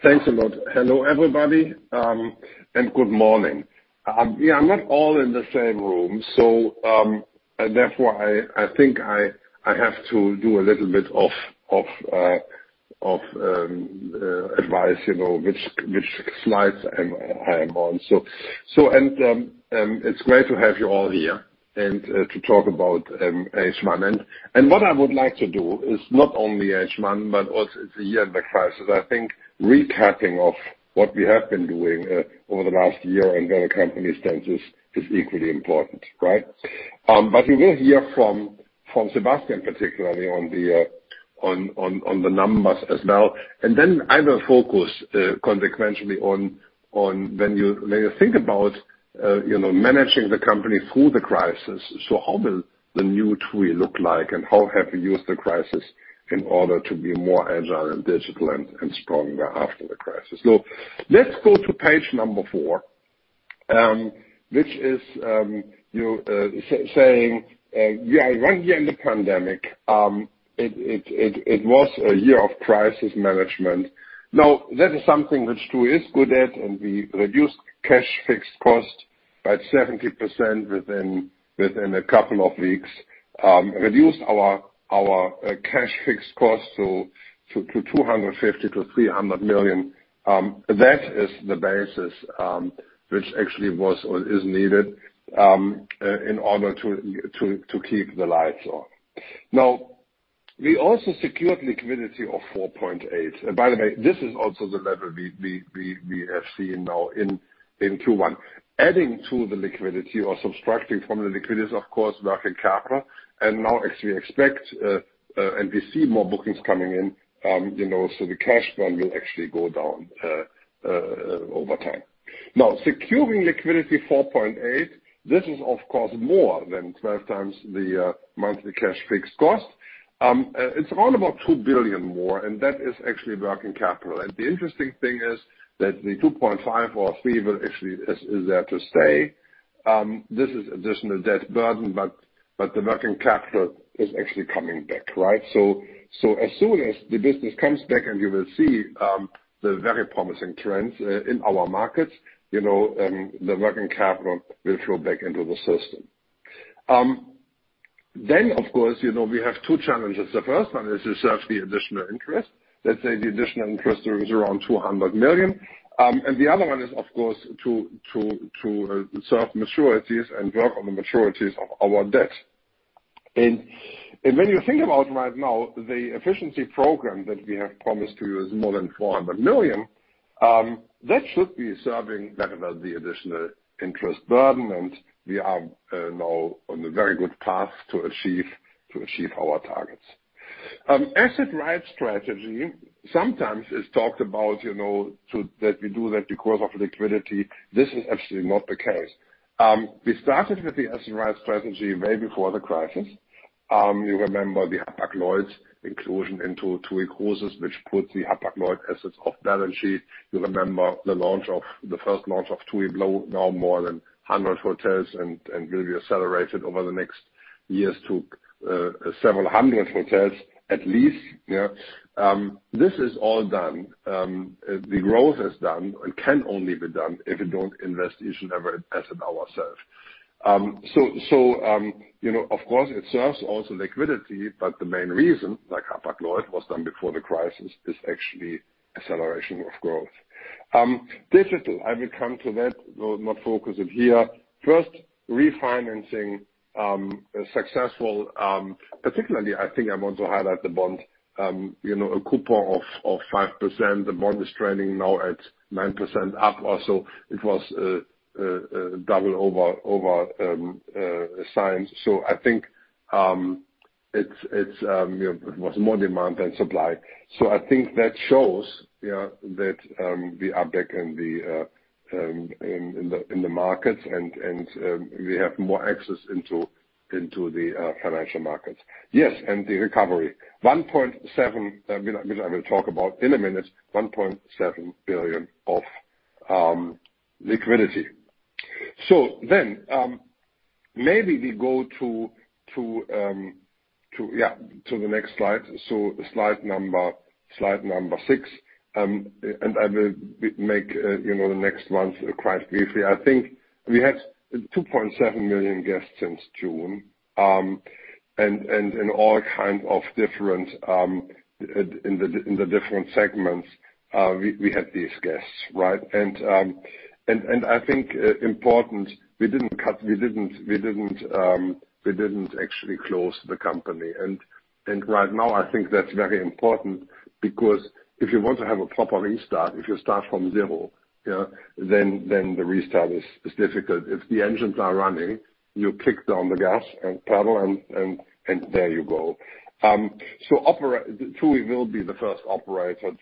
Thanks a lot. Hello everybody, good morning. We are not all in the same room, therefore, I think I have to do a little bit of advice, which slides I'm on. It's great to have you all here and to talk about H1. What I would like to do is not only H1 but also it's a year in the crisis. I think recapping of what we have been doing over the last year and where the company stands is equally important, right? You will hear from Sebastian, particularly on the numbers as well. I will focus consequentially on when you think about managing the company through the crisis. How will the new TUI look like, and how have we used the crisis in order to be more agile and digital and stronger after the crisis? Let's go to page number four, which is saying, one year in the pandemic. It was a year of crisis management. That is something which TUI is good at, and we reduced cash fixed cost by 70% within a couple of weeks. Reduced our cash fixed cost to 250 million-300 million. That is the basis, which actually was or is needed in order to keep the lights on. We also secured liquidity of 4.8 billion. By the way, this is also the level we have seen now in Q1. Adding to the liquidity or subtracting from the liquidity is, of course, working capital. Now as we expect, and we see more bookings coming in, the cash burn will actually go down over time. Securing liquidity 4.8 billion, this is of course more than 12x the monthly cash fixed cost. It's around 2 billion more, that is actually working capital. The interesting thing is that the 2.5 or 3 actually is there to stay. This is additional debt burden, but the working capital is actually coming back. As soon as the business comes back and you will see the very promising trends in our markets, the working capital will flow back into the system. Of course, we have two challenges. The first one is to serve the additional interest. Let's say the additional interest is around 200 million. The other one is, of course, to serve maturities and work on the maturities of our debt. When you think about right now, the efficiency program that we have promised to you is more than 400 million. That should be serving the additional interest burden. We are now on a very good path to achieve our targets. Asset light strategy sometimes is talked about, that we do that because of liquidity. This is actually not the case. We started with the asset light strategy way before the crisis. You remember the Hapag-Lloyd inclusion into TUI Cruises, which put the Hapag-Lloyd assets off balance sheet. You remember the first launch of TUI BLUE, now more than 100 hotels and will be accelerated over the next years to several hundred hotels at least. This is all done. The growth is done and can only be done if you don't invest in every asset ourselves. Of course it serves also liquidity, but the main reason, like Hapag-Lloyd was done before the crisis, is actually acceleration of growth. Digital, I will come to that, not focusing here. First, refinancing successful. Particularly, I think I want to highlight the bond. A coupon of 5%. The bond is trading now at 9% up or so. It was double oversubscribed. I think it was more demand than supply. I think that shows that we are back in the markets and we have more access into the financial markets. The recovery. I will talk about in a minute, 1.7 billion of liquidity. Maybe we go to the next slide. Slide number six, and I will make the next ones quite briefly. I think we had 2.7 million guests since June. In the different segments, we had these guests. I think important, we didn't actually close the company. Right now I think that's very important because if you want to have a proper restart, if you start from zero, then the restart is difficult. If the engines are running, you kick down the gas and pedal and there you go. TUI will be the first operator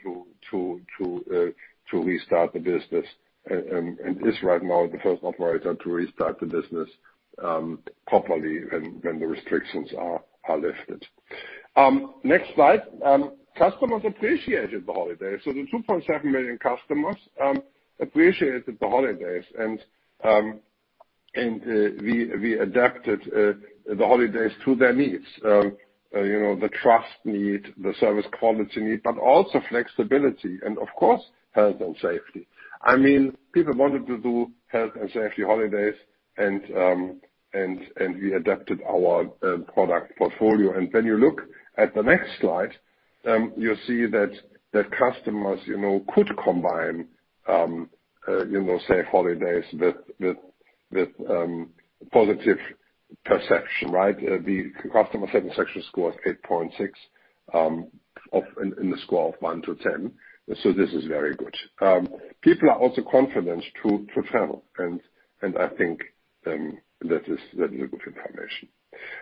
to restart the business and is right now the first operator to restart the business properly when the restrictions are lifted. Next slide. Customers appreciated the holidays. The 2.7 million customers appreciated the holidays and we adapted the holidays to their needs. The trust need, the service quality need, but also flexibility and of course, health and safety. People wanted to do health and safety holidays and we adapted our product portfolio. When you look at the next slide, you see that the customers could combine safe holidays with positive perception, right? The customer satisfaction score is 8.6 in the score of 1-10. This is very good. People are also confident to travel and I think that is a good information.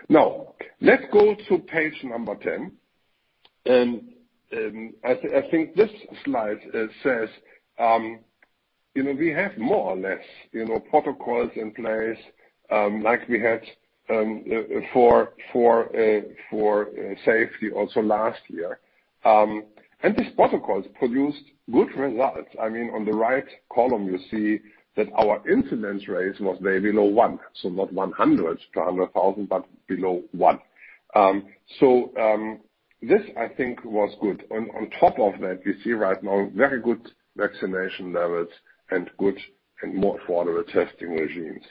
Now, let's go to page number 10. I think this slide says we have more or less protocols in place like we had for safety also last year. These protocols produced good results. On the right column, you see that our incidence rate was way below one, so not 100 to 100,000, but below one. This I think was good. On top of that, we see right now very good vaccination levels and good and more thorough testing regimes.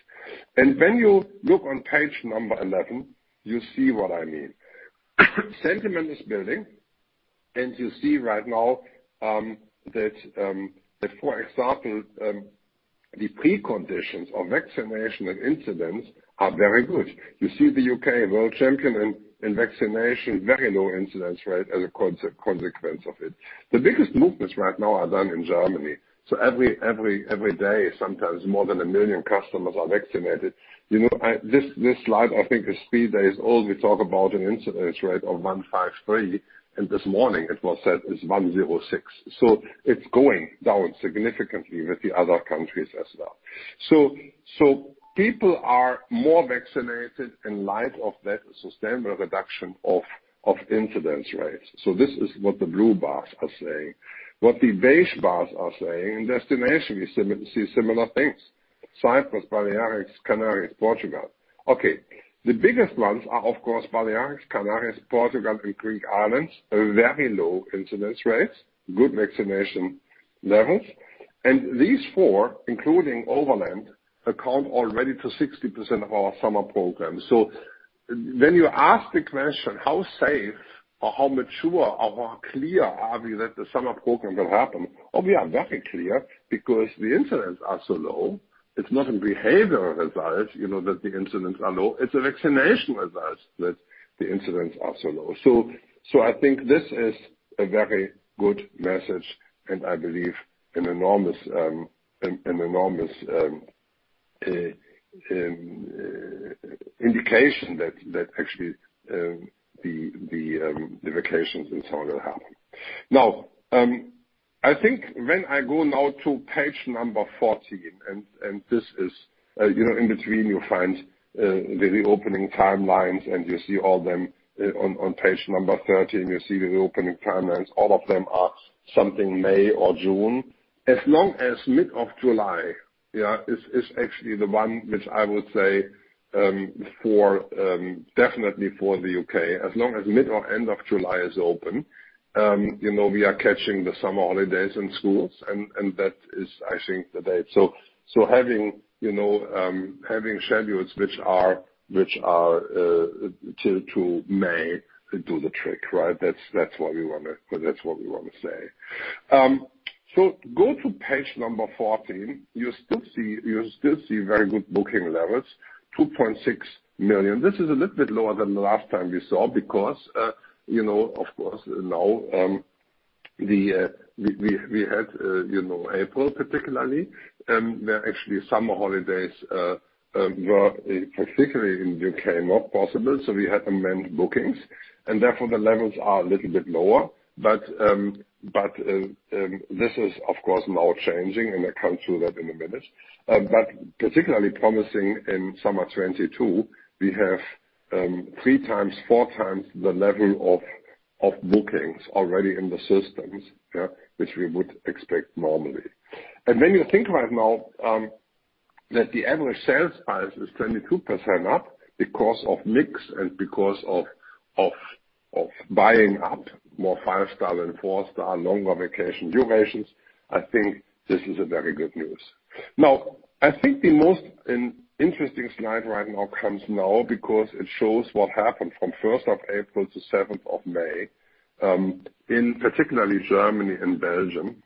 When you look on page number 11, you see what I mean. Sentiment is building, and you see right now that, for example, the preconditions of vaccination and incidence are very good. You see the U.K., world champion in vaccination, very low incidence rate as a consequence of it. The biggest movements right now are done in Germany. Every day, sometimes more than one million customers are vaccinated. This slide, I think, is three days old. We talk about an incidence rate of 153, this morning it was said it's 106. It's going down significantly with the other countries as well. People are more vaccinated in light of that sustainable reduction of incidence rates. This is what the blue bars are saying. What the beige bars are saying, in destination we see similar things. Cyprus, Balearics, Canaries, Portugal. Okay. The biggest ones are, of course, Balearics, Canaries, Portugal and Greek islands. Very low incidence rates, good vaccination levels. These four, including overland, account already to 60% of our summer program. When you ask the question, how safe or how mature or how clear are we that the summer program will happen? Oh, we are very clear because the incidents are so low. It's not a behavioral advice, that the incidents are low, it's a vaccination advice that the incidents are so low. I think this is a very good message, and I believe an enormous indication that actually the vacations in summer will happen. I think when I go now to page number 14, and in between you'll find the reopening timelines, and you see all them on page number 13. You see the reopening timelines. All of them are something May or June. As long as mid of July is actually the one which I would say definitely for the U.K., as long as mid or end of July is open we are catching the summer holidays and schools, and that is, I think, the date. Having schedules which are to May do the trick, right? That's what we want to say. Go to page number 14. You still see very good booking levels, 2.6 million. This is a little bit lower than the last time we saw because, of course now we had April particularly. There are actually summer holidays were particularly in U.K. not possible. We had to amend bookings, and therefore the levels are a little bit lower. This is, of course, now changing, and I come to that in a minute. Particularly promising in summer 2022, we have three times, four times the level of bookings already in the systems which we would expect normally. When you think right now that the average sales price is 22% up because of mix and because of buying up more five-star and four-star longer vacation durations, I think this is a very good news. I think the most interesting slide right now comes now because it shows what happened from 1st of April to 7th of May, in particularly Germany and Belgium.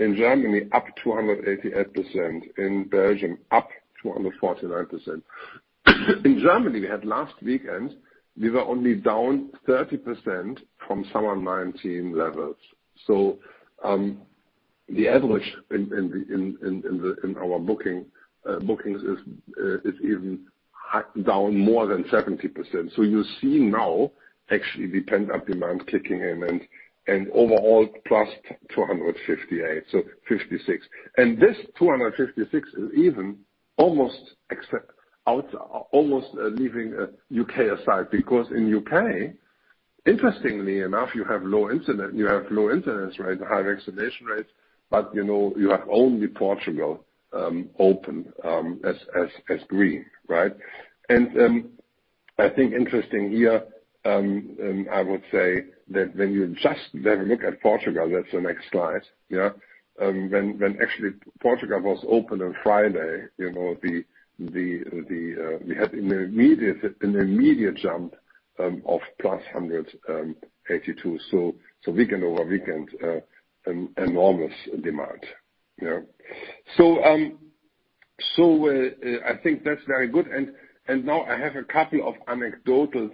In Germany, up 288%. In Belgium, up 249%. In Germany, we had last weekend, we were only down 30% from summer 2019 levels. The average in our bookings is even down more than 70%. You see now actually the pent-up demand kicking in and overall, plus 258%, so 56%. This 256 is even almost leaving U.K. aside, because in U.K. Interestingly enough, you have low incidence rate and high vaccination rates, but you have only Portugal open as green, right. I think interesting here, I would say that when you just have a look at Portugal, that's the next slide, yeah. When actually Portugal was open on Friday, we had an immediate jump of plus 182. Weekend over weekend, enormous demand. I think that's very good. Now I have a couple of anecdotal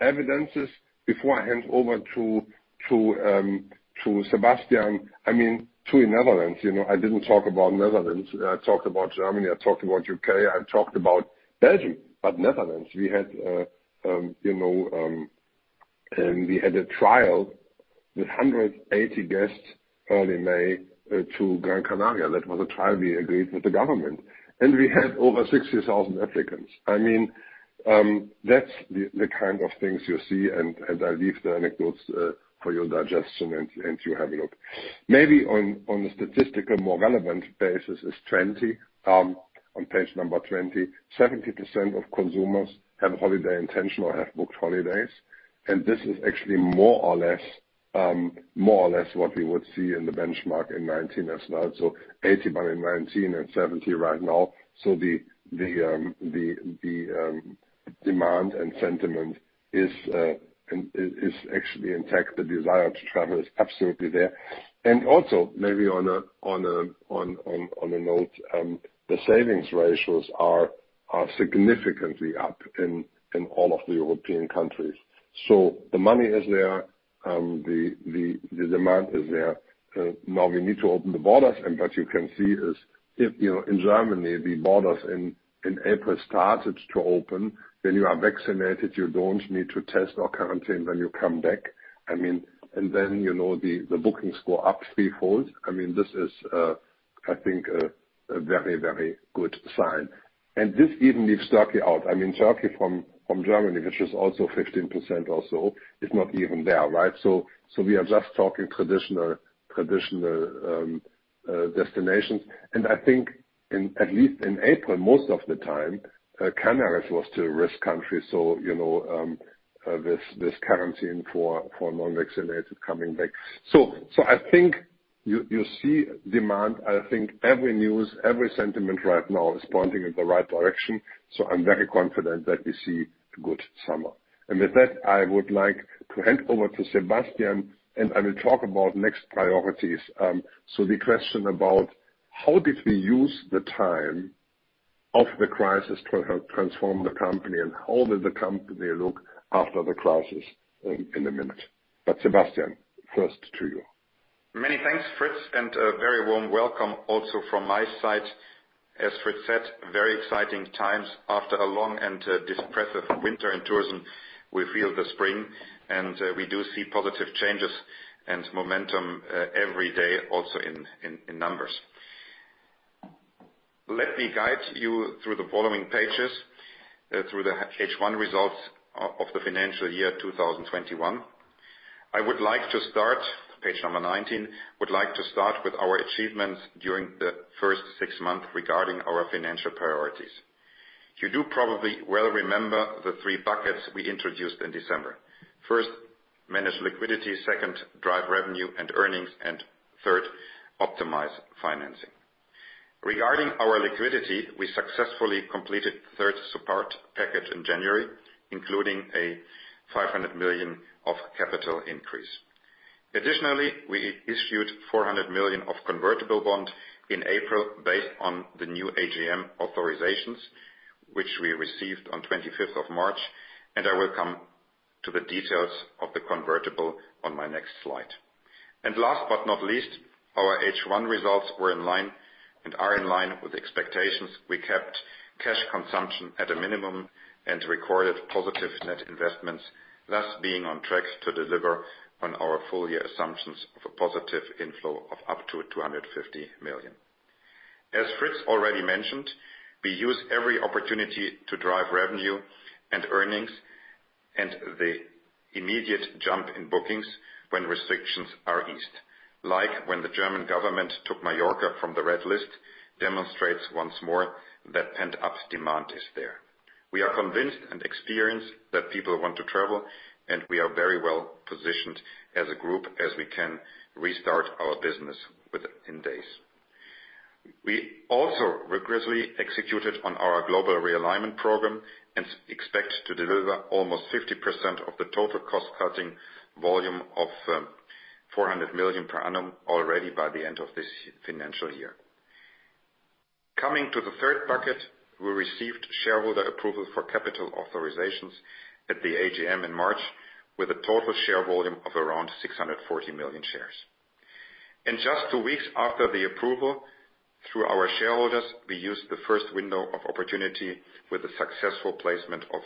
evidences before I hand over to Sebastian. I mean, TUI Netherlands. I didn't talk about Netherlands. I talked about Germany, I talked about U.K., I talked about Belgium. Netherlands, we had a trial with 180 guests early May to Gran Canaria. That was a trial we agreed with the government. We had over 60,000 applicants. That's the kind of things you see, and I leave the anecdotes for your digestion and you have a look. Maybe on a statistical, more relevant basis is 20, on page number 20. 70% of consumers have holiday intention or have booked holidays. This is actually more or less what we would see in the benchmark in '19 as well. 80 back in '19 and 70 right now. The demand and sentiment is actually intact. The desire to travel is absolutely there. Also, maybe on a note, the savings ratios are significantly up in all of the European countries. The money is there. The demand is there. Now we need to open the borders, and what you can see is if, in Germany, the borders in April started to open, then you are vaccinated, you don't need to test or quarantine when you come back. Then the bookings go up threefold. This is, I think, a very good sign. This even leaves Turkey out. Turkey from Germany, which is also 15% or so, is not even there, right? We are just talking traditional destinations. I think in, at least in April, most of the time, Canada was still a risk country, so this quarantine for non-vaccinated coming back. I think you see demand. I think every news, every sentiment right now is pointing in the right direction. I'm very confident that we see a good summer. With that, I would like to hand over to Sebastian, and I will talk about next priorities. The question about how did we use the time of the crisis to transform the company, and how did the company look after the crisis in one minute. Sebastian, first to you. Many thanks, Fritz, and a very warm welcome also from my side. As Fritz said, very exciting times. After a long and depressive winter in tourism, we feel the spring, and we do see positive changes and momentum every day, also in numbers. Let me guide you through the following pages, through the H1 results of the financial year 2021. I would like to start, page number 19, would like to start with our achievements during the first six months regarding our financial priorities. You do probably well remember the three buckets we introduced in December. First, manage liquidity, second, drive revenue and earnings, third, optimize financing. Regarding our liquidity, we successfully completed the third support package in January, including a 500 million of capital increase. Additionally, we issued 400 million of convertible bond in April based on the new AGM authorizations, which we received on 25th of March. I will come to the details of the convertible on my next slide. Last but not least, our H1 results were in line and are in line with expectations. We kept cash consumption at a minimum and recorded positive net investments, thus being on track to deliver on our full-year assumptions of a positive inflow of up to 250 million. As Fritz already mentioned, we use every opportunity to drive revenue and earnings and the immediate jump in bookings when restrictions are eased. Like when the German government took Mallorca from the red list, demonstrates once more that pent-up demand is there. We are convinced and experienced that people want to travel, and we are very well positioned as a group as we can restart our business within days. We also rigorously executed on our global realignment program and expect to deliver almost 50% of the total cost-cutting volume of 400 million per annum already by the end of this financial year. Coming to the third bucket, we received shareholder approval for capital authorizations at the AGM in March, with a total share volume of around 640 million shares. In just two weeks after the approval through our shareholders, we used the first window of opportunity with the successful placement of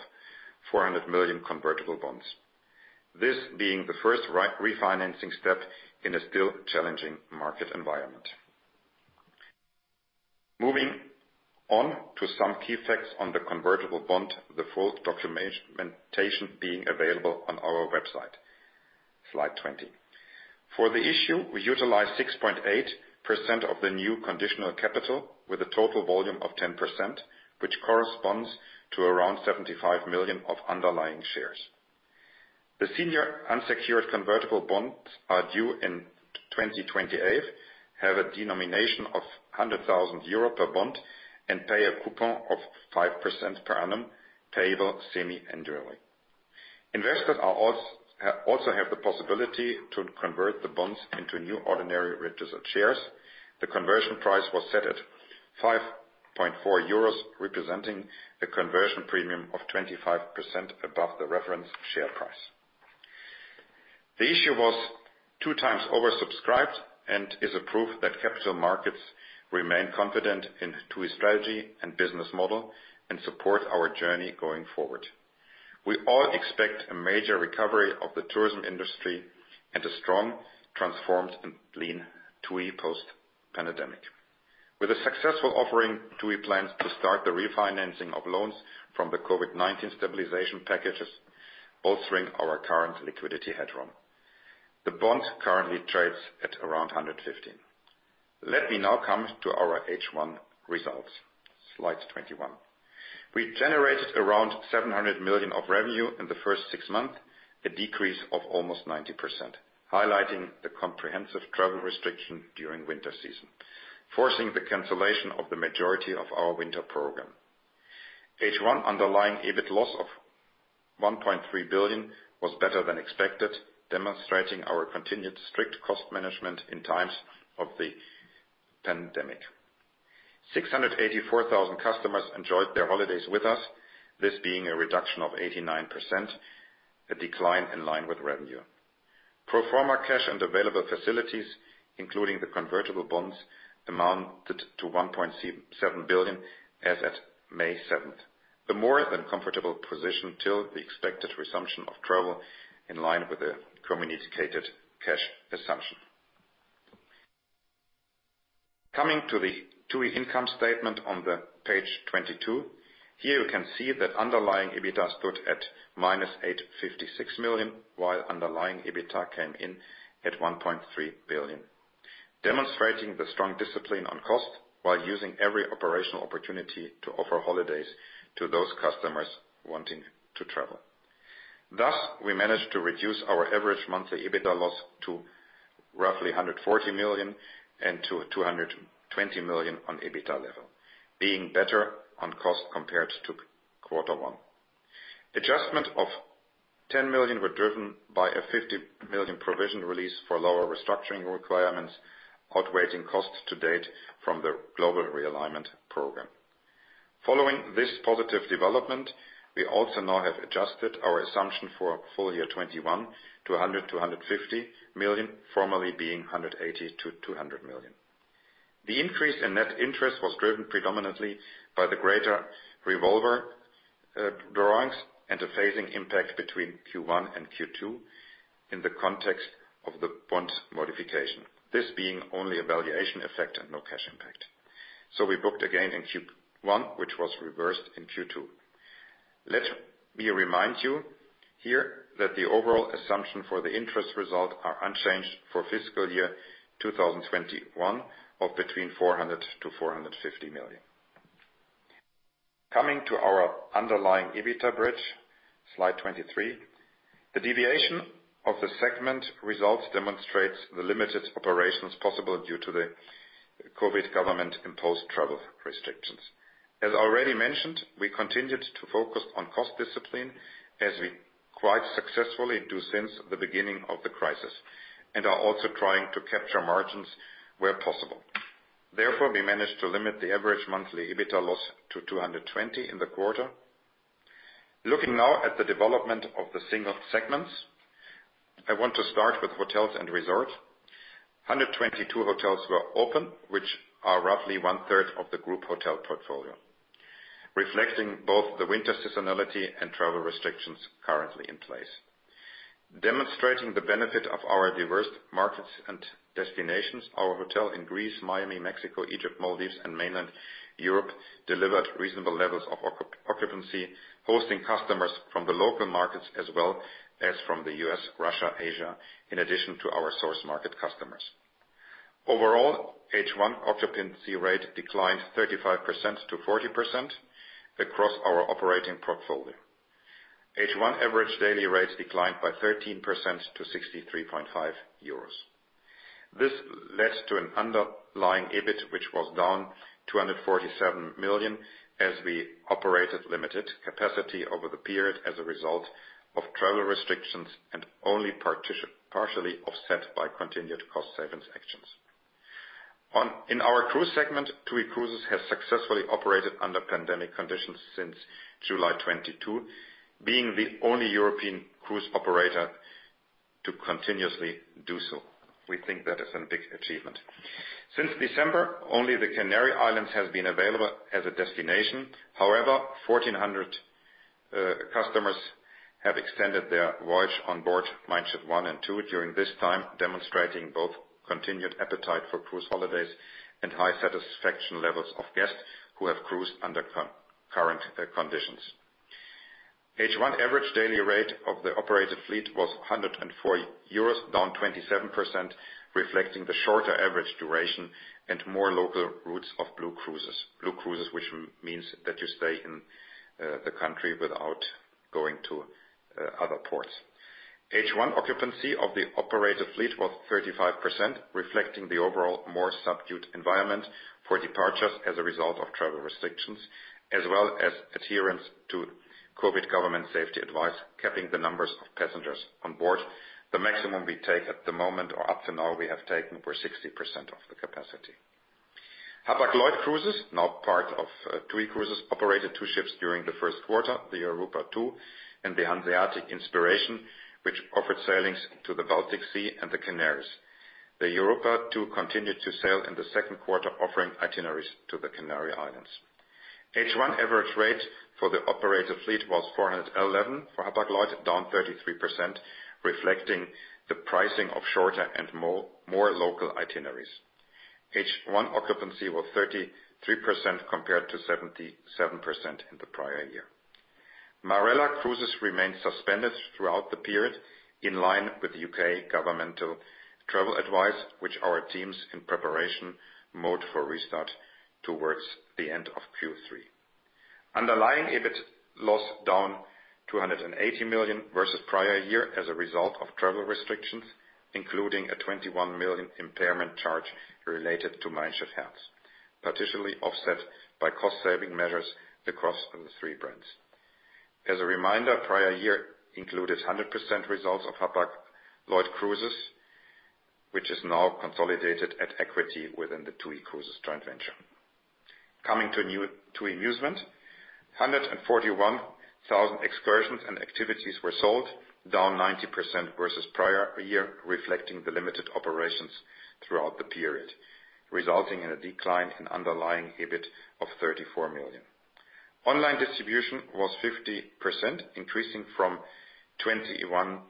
400 million convertible bonds. This being the first refinancing step in a still challenging market environment. Moving on to some key facts on the convertible bond, the full documentation being available on our website. Slide 20. For the issue, we utilized 6.8% of the new conditional capital with a total volume of 10%, which corresponds to around 75 million of underlying shares. The senior unsecured convertible bonds are due in 2028, have a denomination of 100,000 euro per bond and pay a coupon of 5% per annum payable semi-annually. Investors also have the possibility to convert the bonds into new ordinary registered shares. The conversion price was set at 5.4 euros, representing a conversion premium of 25% above the reference share price. The issue was two times oversubscribed and is a proof that capital markets remain confident in TUI's strategy and business model and support our journey going forward. We all expect a major recovery of the tourism industry and a strong transformed and lean TUI post-pandemic. With a successful offering, TUI plans to start the refinancing of loans from the COVID-19 stabilization packages, bolstering our current liquidity headroom. The bond currently trades at around 115. Let me now come to our H1 results. Slide 21. We generated around 700 million of revenue in the first six months, a decrease of almost 90%, highlighting the comprehensive travel restriction during winter season, forcing the cancellation of the majority of our winter program. H1 underlying EBIT loss of 1.3 billion was better than expected, demonstrating our continued strict cost management in times of the pandemic. 684,000 customers enjoyed their holidays with us, this being a reduction of 89%, a decline in line with revenue. Pro forma cash and available facilities, including the convertible bonds, amounted to 1.7 billion as at May 7th. A more than comfortable position till the expected resumption of travel in line with the communicated cash assumption. Coming to the TUI income statement on the page 22. Here you can see that underlying EBITA stood at -856 million, while underlying EBITA came in at 1.3 billion, demonstrating the strong discipline on cost while using every operational opportunity to offer holidays to those customers wanting to travel. Thus, we managed to reduce our average monthly EBITA loss to roughly 140 million and to 220 million on EBITA level, being better on cost compared to quarter one. Adjustment of 10 million were driven by a 50 million provision release for lower restructuring requirements, outweighing costs to date from the global realignment program. Following this positive development, we also now have adjusted our assumption for full year 2021 to 100 million-150 million, formerly being 180 million-200 million. The increase in net interest was driven predominantly by the greater revolver drawings and the phasing impact between Q1 and Q2 in the context of the bond modification. This being only a valuation effect and no cash impact. We booked again in Q1, which was reversed in Q2. Let me remind you here that the overall assumption for the interest result are unchanged for fiscal year 2021 of between 400 million-450 million. Coming to our underlying EBITA bridge, slide 23. The deviation of the segment results demonstrates the limited operations possible due to the COVID government imposed travel restrictions. As already mentioned, we continued to focus on cost discipline as we quite successfully do since the beginning of the crisis, and are also trying to capture margins where possible. We managed to limit the average monthly EBITA loss to 220 in the quarter. Looking now at the development of the single segments, I want to start with hotels and resort. 122 hotels were open, which are roughly one third of the group hotel portfolio, reflecting both the winter seasonality and travel restrictions currently in place. Demonstrating the benefit of our diverse markets and destinations, our hotel in Greece, Miami, Mexico, Egypt, Maldives and mainland Europe delivered reasonable levels of occupancy, hosting customers from the local markets as well as from the U.S., Russia, Asia, in addition to our source market customers. Overall, H1 occupancy rate declined 35%-40% across our operating portfolio. H1 average daily rates declined by 13% to 63.5 euros. This led to an underlying EBIT, which was down 247 million as we operated limited capacity over the period as a result of travel restrictions and only partially offset by continued cost savings actions. In our cruise segment, TUI Cruises has successfully operated under pandemic conditions since July 22, being the only European cruise operator to continuously do so. We think that is a big achievement. Since December, only the Canary Islands has been available as a destination. However, 1,400 customers have extended their voyage on board Mein Schiff One and Two during this time, demonstrating both continued appetite for cruise holidays and high satisfaction levels of guests who have cruised under current conditions. H1 average daily rate of the operator fleet was 104 euros, down 27%, reflecting the shorter average duration and more local routes of Blue Cruises, which means that you stay in the country without going to other ports. H1 occupancy of the operator fleet was 35%, reflecting the overall more subdued environment for departures as a result of travel restrictions, as well as adherence to COVID government safety advice, capping the numbers of passengers on board. The maximum we take at the moment, or up to now we have taken, were 60% of the capacity. Hapag-Lloyd Cruises, now part of TUI Cruises, operated two ships during the first quarter, the Europa two and the Hanseatic Inspiration, which offered sailings to the Baltic Sea and the Canaries. The Europa two continued to sail in the second quarter, offering itineraries to the Canary Islands. H1 average rate for the operator fleet was 411 for Hapag-Lloyd, down 33%, reflecting the pricing of shorter and more local itineraries. H1 occupancy was 33% compared to 77% in the prior year. Marella Cruises remained suspended throughout the period, in line with the U.K. governmental travel advice, which our team is in preparation mode for restart towards the end of Q3. Underlying EBIT loss down to 180 million versus prior year as a result of travel restrictions, including a 21 million impairment charge related to Mein Schiff Herz, partially offset by cost-saving measures across the three brands. As a reminder, prior year included 100% results of Hapag-Lloyd Cruises, which is now consolidated at equity within the TUI Cruises joint venture. Coming to Musement, 141,000 excursions and activities were sold, down 90% versus prior year, reflecting the limited operations throughout the period, resulting in a decline in underlying EBIT of 34 million. Online distribution was 50%, increasing from 21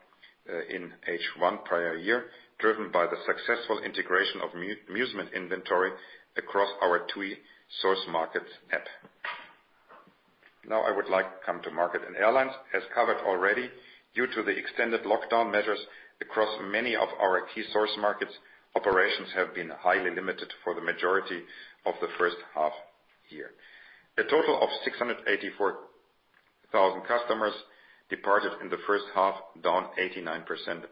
in H1 prior year, driven by the successful integration of Musement inventory across our TUI source markets app. Now I would like to come to market and airlines. As covered already, due to the extended lockdown measures across many of our key source markets, operations have been highly limited for the majority of the first half year. A total of 684,000 customers departed in the first half, down 89%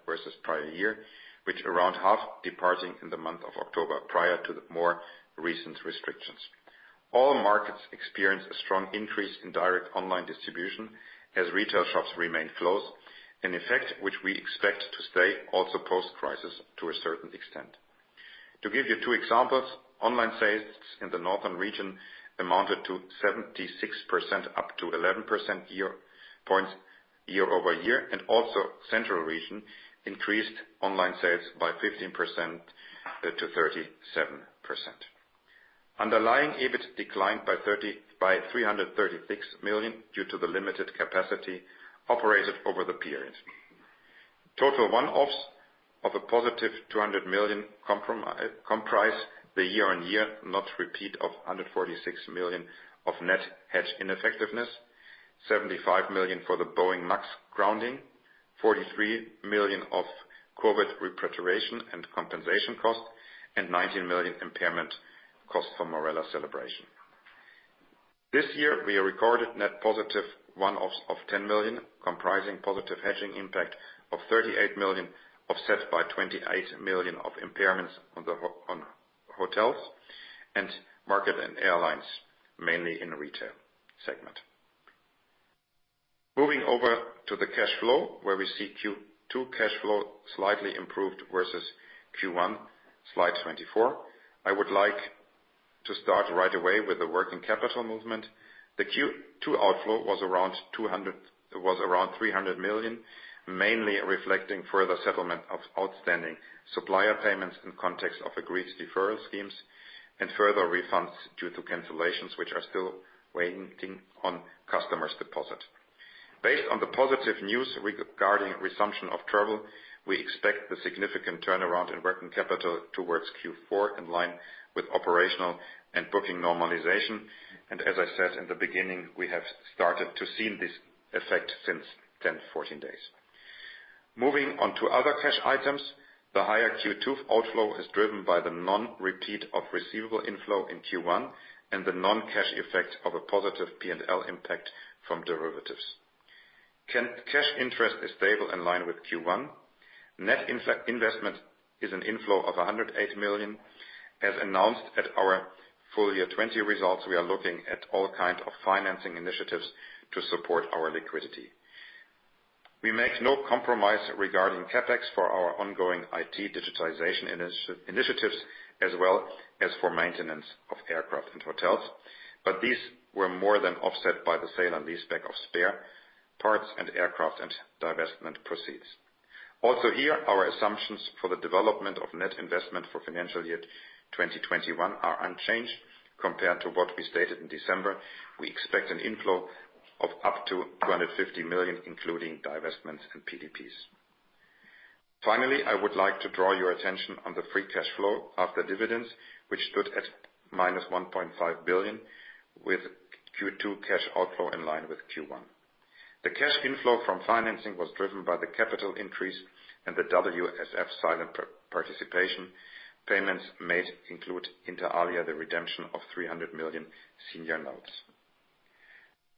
versus prior year, with around half departing in the month of October, prior to the more recent restrictions. All markets experienced a strong increase in direct online distribution as retail shops remained closed, an effect which we expect to stay also post-crisis to a certain extent. To give you two examples, online sales in the Northern region amounted to 76%, up to 11% points year-over-year, and also Central region increased online sales by 15% to 37%. Underlying EBIT declined by 336 million due to the limited capacity operated over the period. Total one-offs of a positive 200 million comprise the year-on-year, not repeat of 146 million of net hedge ineffectiveness, 75 million for the Boeing MAX grounding, 43 million of COVID repatriation and compensation costs, and 19 million impairment costs for Marella Celebration. This year, we recorded net positive one-offs of 10 million, comprising positive hedging impact of 38 million, offset by 28 million of impairments on hotels and market and airlines, mainly in retail segment. Moving over to the cash flow, where we see Q2 cash flow slightly improved versus Q1, slide 24. I would like to start right away with the working capital movement. The Q2 outflow was around 300 million, mainly reflecting further settlement of outstanding supplier payments in context of agreed deferral schemes and further refunds due to cancellations, which are still waiting on customers' deposit. Based on the positive news regarding resumption of travel, we expect the significant turnaround in working capital towards Q4, in line with operational and booking normalization. As I said in the beginning, we have started to see this effect since then, 14 days. Moving on to other cash items, the higher Q2 outflow is driven by the non-repeat of receivable inflow in Q1 and the non-cash effect of a positive P&L impact from derivatives. Cash interest is stable in line with Q1. Net investment is an inflow of 108 million. As announced at our full year 2020 results, we are looking at all kinds of financing initiatives to support our liquidity. We make no compromise regarding CapEx for our ongoing IT digitization initiatives, as well as for maintenance of aircraft and hotels. These were more than offset by the sale and leaseback of spare parts and aircraft and divestment proceeds. Also here, our assumptions for the development of net investment for financial year 2021 are unchanged compared to what we stated in December. We expect an inflow of up to 250 million, including divestments and PDPs. Finally, I would like to draw your attention on the free cash flow after dividends, which stood at minus 1.5 billion with Q2 cash outflow in line with Q1. The cash inflow from financing was driven by the capital increase and the WSF silent participation payments made include inter alia, the redemption of 300 million senior notes.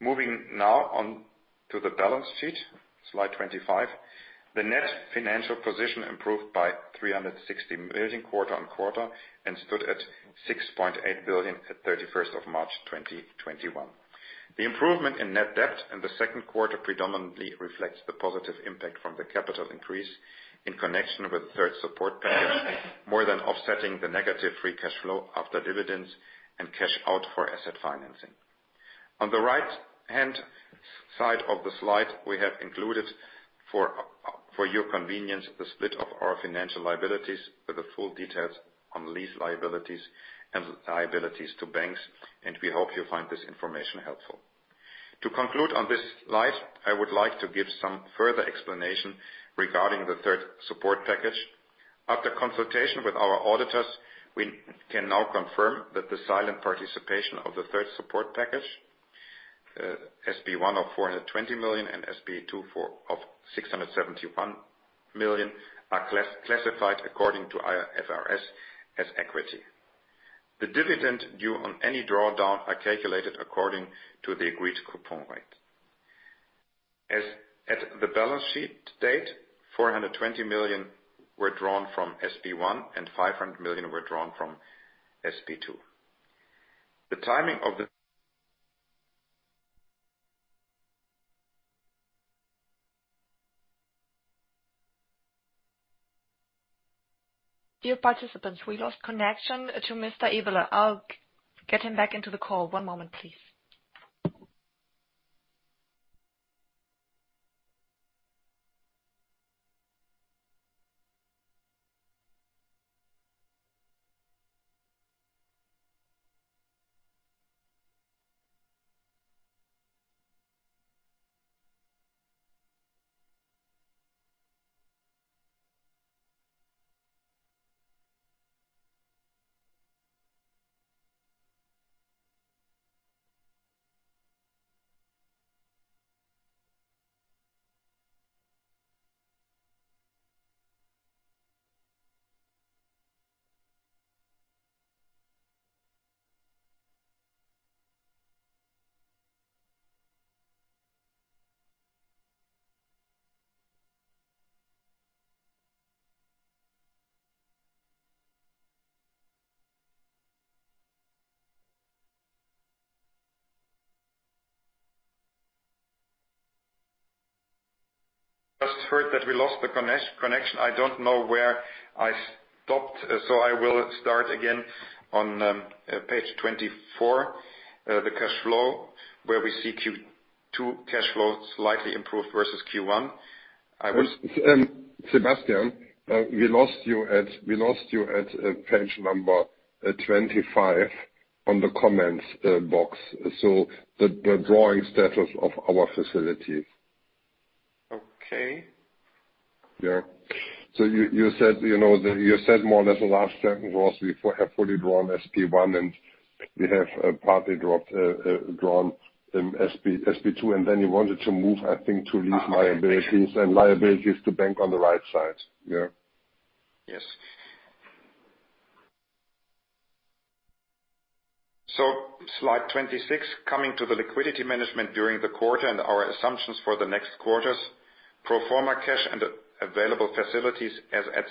Moving now on to the balance sheet, slide 25. The net financial position improved by 360 million quarter-on-quarter, and stood at 6.8 billion at 31st of March 2021. The improvement in net debt in the second quarter predominantly reflects the positive impact from the capital increase in connection with the third support package more than offsetting the negative free cash flow after dividends and cash out for asset financing. On the right-hand side of the slide, we have included, for your convenience, the split of our financial liabilities with the full details on lease liabilities and liabilities to banks, and we hope you find this information helpful. To conclude on this slide, I would like to give some further explanation regarding the third support package. After consultation with our auditors, we can now confirm that the silent participation of the third support package, SP1 of 420 million and SP2 of 671 million, are classified according to IFRS as equity. The dividend due on any drawdown are calculated according to the agreed coupon rate. As at the balance sheet date, 420 million were drawn from SP1 and 500 million were drawn from SP2. Dear participants, we lost connection to Mr. Ebel. I'll get him back into the call. One moment, please. Just heard that we lost the connection. I don't know where I stopped, so I will start again on page 24, the cash flow, where we see Q2 cash flow slightly improved versus Q1. Sebastian, we lost you at page number 25 on the comments box. The drawing status of our facility. Okay. Yeah. You said more or less the last sentence was we have fully drawn SP1 and we have partly drawn SP2, and then you wanted to move, I think, to lease liabilities and liabilities to bank on the right side. Yeah. Yes. Slide 26, coming to the liquidity management during the quarter and our assumptions for the next quarters. Pro forma cash and available facilities as at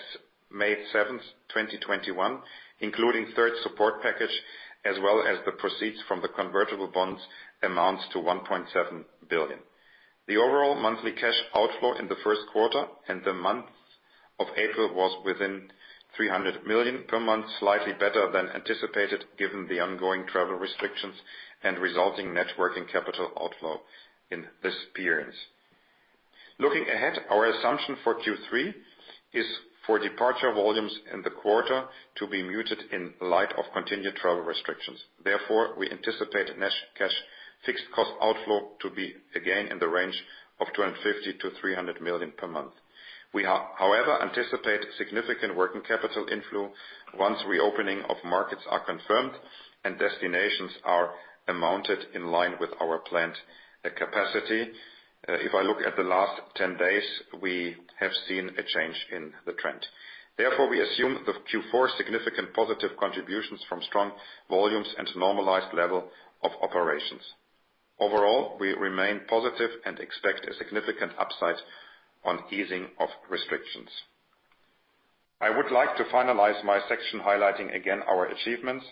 May 7th, 2021, including third support package as well as the proceeds from the convertible bonds amounts to 1.7 billion. The overall monthly cash outflow in the first quarter and the month of April was within 300 million per month, slightly better than anticipated given the ongoing travel restrictions and resulting net working capital outflow in this period. Looking ahead, our assumption for Q3 is for departure volumes in the quarter to be muted in light of continued travel restrictions. We anticipate net cash fixed cost outflow to be again in the range of 250 million-300 million per month. We, however, anticipate significant working capital inflow once reopening of markets are confirmed and destinations are announced in line with our planned capacity. If I look at the last 10 days, we have seen a change in the trend. Therefore, we assume the Q4 significant positive contributions from strong volumes and normalized level of operations. Overall, we remain positive and expect a significant upside on easing of restrictions. I would like to finalize my section highlighting again our achievements.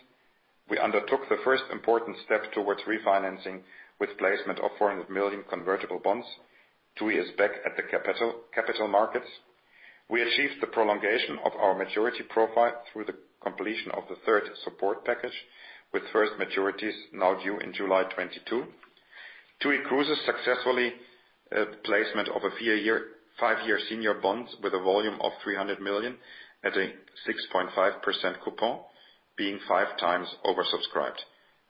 We undertook the first important step towards refinancing with placement of 400 million convertible bonds. TUI is back at the capital markets. We achieved the prolongation of our maturity profile through the completion of the third support package with first maturities now due in July 2022. TUI Cruises successfully placement of a five-year senior bonds with a volume of 300 million at a 6.5% coupon, being five times oversubscribed.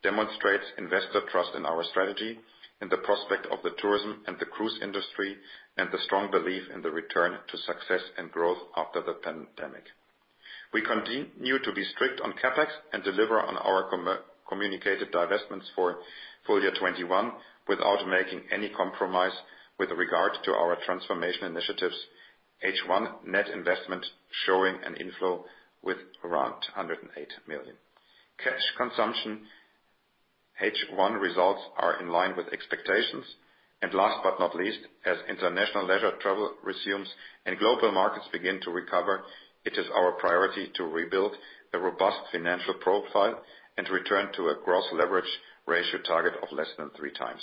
Demonstrates investor trust in our strategy and the prospect of the tourism and the cruise industry, and the strong belief in the return to success and growth after the pandemic. We continue to be strict on CapEx and deliver on our communicated divestments for full year 2021 without making any compromise with regard to our transformation initiatives, H1 net investment showing an inflow with around 208 million. Cash consumption H1 results are in line with expectations. Last but not least, as international leisure travel resumes and global markets begin to recover, it is our priority to rebuild a robust financial profile and return to a gross leverage ratio target of less than three times.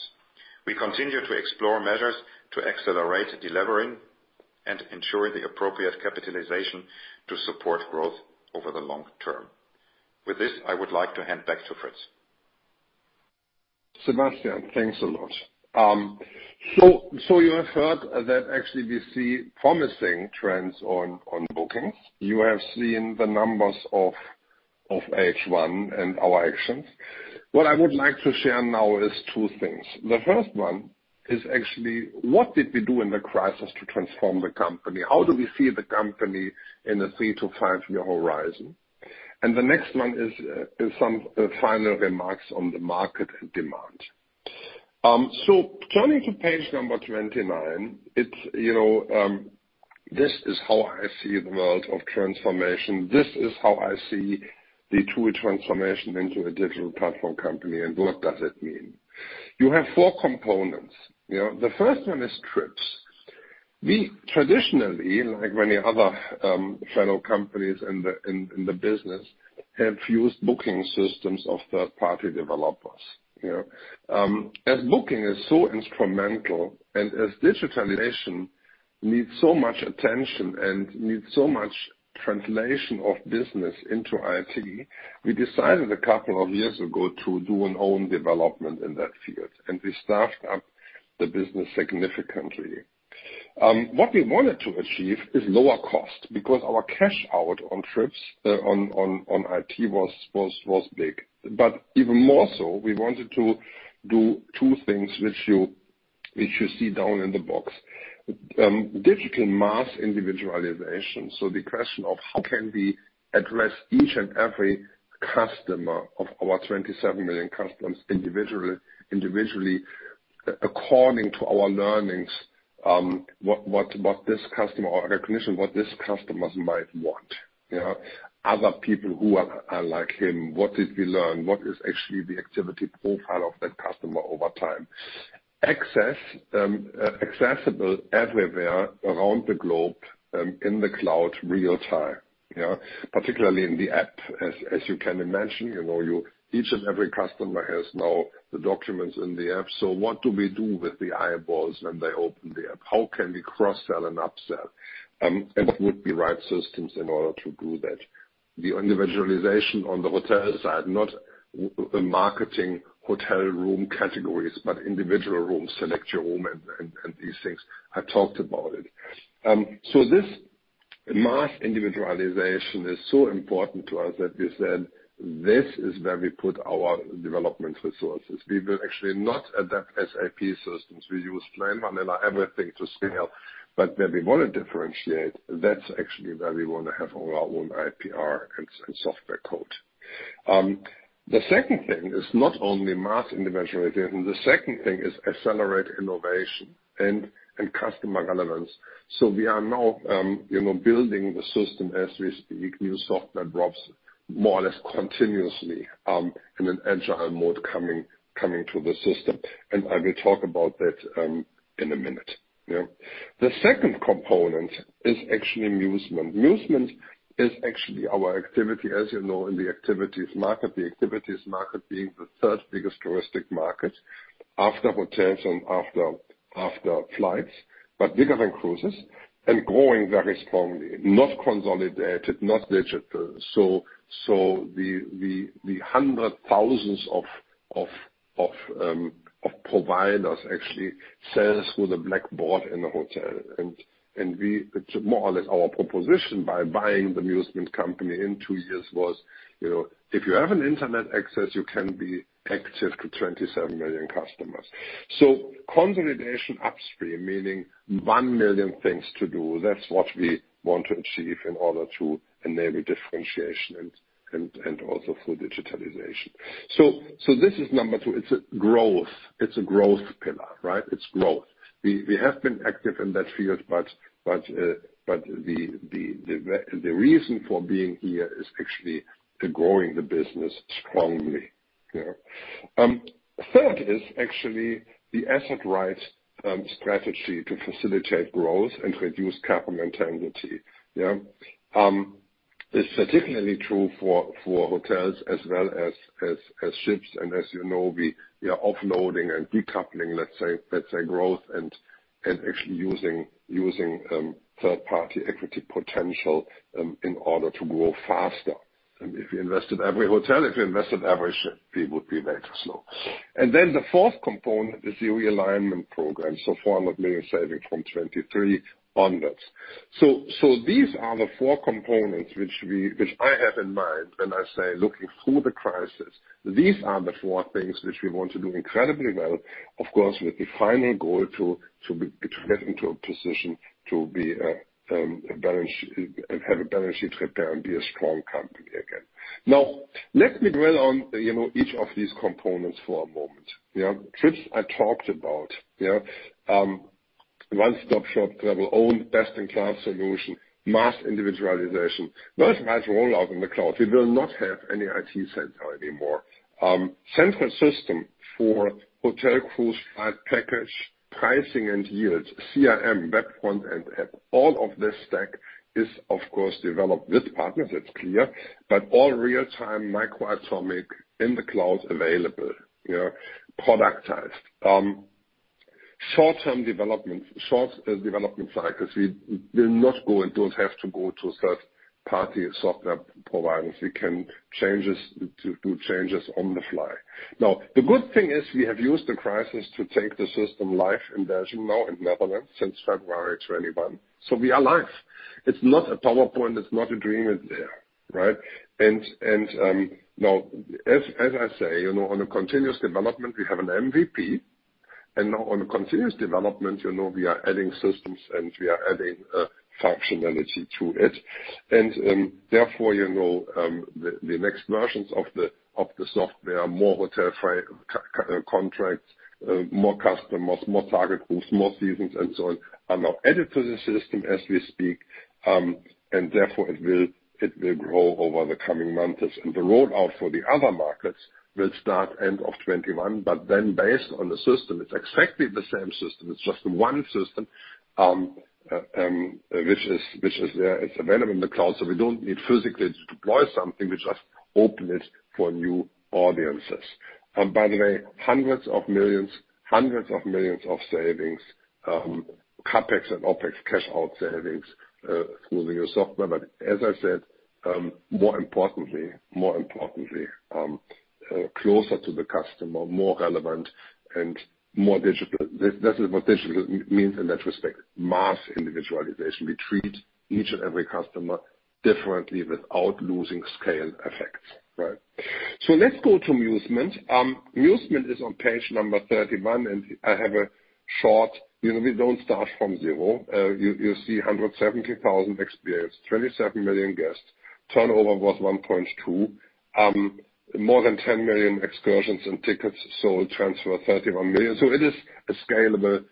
We continue to explore measures to accelerate delevering and ensure the appropriate capitalization to support growth over the long term. With this, I would like to hand back to Fritz. Sebastian, thanks a lot. You have heard that actually we see promising trends on bookings. You have seen the numbers of H1 and our actions. What I would like to share now is two things. The first one is actually what did we do in the crisis to transform the company? How do we see the company in a three-five year horizon? The next one is some final remarks on the market and demand. Turning to page number 29, this is how I see the world of transformation. This is how I see the TUI transformation into a digital platform company and what does it mean. You have four components. The first one is trips. We traditionally, like many other fellow companies in the business, have used booking systems of third-party developers. As booking is so instrumental and as digitalization needs so much attention and needs so much translation of business into IT, we decided a couple of years ago to do an own development in that field, and we staffed up the business significantly. What we wanted to achieve is lower cost because our cash out on trips on IT was big. Even more so, we wanted to do two things, which you see down in the box. Digital mass individualization. The question of how can we address each and every customer of our 27 million customers individually according to our learnings, what this customer or recognition what this customers might want. Other people who are like him, what did we learn? What is actually the activity profile of that customer over time, accessible everywhere around the globe, in the cloud real-time. Particularly in the app, as you can imagine, each and every customer has now the documents in the app. What do we do with the eyeballs when they open the app? How can we cross-sell and upsell? What would be right systems in order to do that? The individualization on the hotel side, not marketing hotel room categories, but individual rooms, select your room and these things. I talked about it. This mass individualization is so important to us that we said, this is where we put our development resources. We will actually not adapt SAP systems. We use plain vanilla everything to scale. Where we want to differentiate, that's actually where we want to have our own IPR and software code. The second thing is not only mass individualization. The second thing is accelerate innovation and customer relevance. We are now building the system as we speak, new software drops more or less continuously, in an agile mode coming to the system. I will talk about that in a minute. The second component is actually Musement. Musement is actually our activity, as you know, in the activities market. The activities market being the third biggest touristic market after hotels and after flights, but bigger than cruises and growing very strongly, not consolidated, not digital. The hundred thousands of providers actually sells with a blackboard in the hotel. It's more or less our proposition by buying the Musement company in two years was, if you have an internet access, you can be active to 27 million customers. Consolidation upstream, meaning 1 million things to do, that's what we want to achieve in order to enable differentiation and also full digitalization. This is number two, it's a growth pillar, right? It's growth. We have been active in that field, the reason for being here is actually growing the business strongly. Third is actually the asset-right strategy to facilitate growth and reduce capital intensity. It's particularly true for hotels as well as ships. As you know, we are offloading and decoupling, let's say growth, and actually using third-party equity potential in order to grow faster. If you invest in every hotel, if you invest in average, we would be very slow. The fourth component is the realignment program, EUR 400 million saving from 2023 onwards. These are the four components which I have in mind when I say looking through the crisis. These are the four things which we want to do incredibly well, of course, with the final goal to get into a position to have a balance sheet repair and be a strong company again. Let me dwell on each of these components for a moment. Trips, I talked about. One-stop shop, travel owned, best-in-class solution, mass individualization, worldwide rollout in the cloud. We will not have any IT center anymore. Central system for hotel, cruise, flight, package, pricing and yields, CRM, web front-end app. All of this stack is, of course, developed with partners, it's clear. All real-time micro-atomic in the cloud available, productized. Short development cycles. We will not go and don't have to go to third-party software providers. We can do changes on the fly. The good thing is we have used the crisis to take the system live in Belgium now and Netherlands since February 2021. We are live. It's not a PowerPoint, it's not a dream. It's there. Right? As I say, on a continuous development, we have an MVP. On a continuous development, we are adding systems, and we are adding functionality to it. The next versions of the software, more hotel contracts, more customers, more target groups, more seasons and so on are now added to the system as we speak. It will grow over the coming months. The rollout for the other markets will start end of 2021. Based on the system, it's exactly the same system. It's just one system, which is there. It's available in the cloud, so we don't need physically to deploy something. We just open it for new audiences. By the way, hundreds of millions of savings, CapEx and OpEx cash out savings through the new software. As I said, more importantly, closer to the customer, more relevant and more discipline. That is what discipline means in that respect, mass individualization. We treat each and every customer differently without losing scale effects. Right? Let's go to Musement. Musement is on page number 31. We don't start from zero. You see 170,000 experience, 37 million guests. Turnover was 1.2. More than 10 million excursions and tickets sold, transfer 31 million. It is a scalable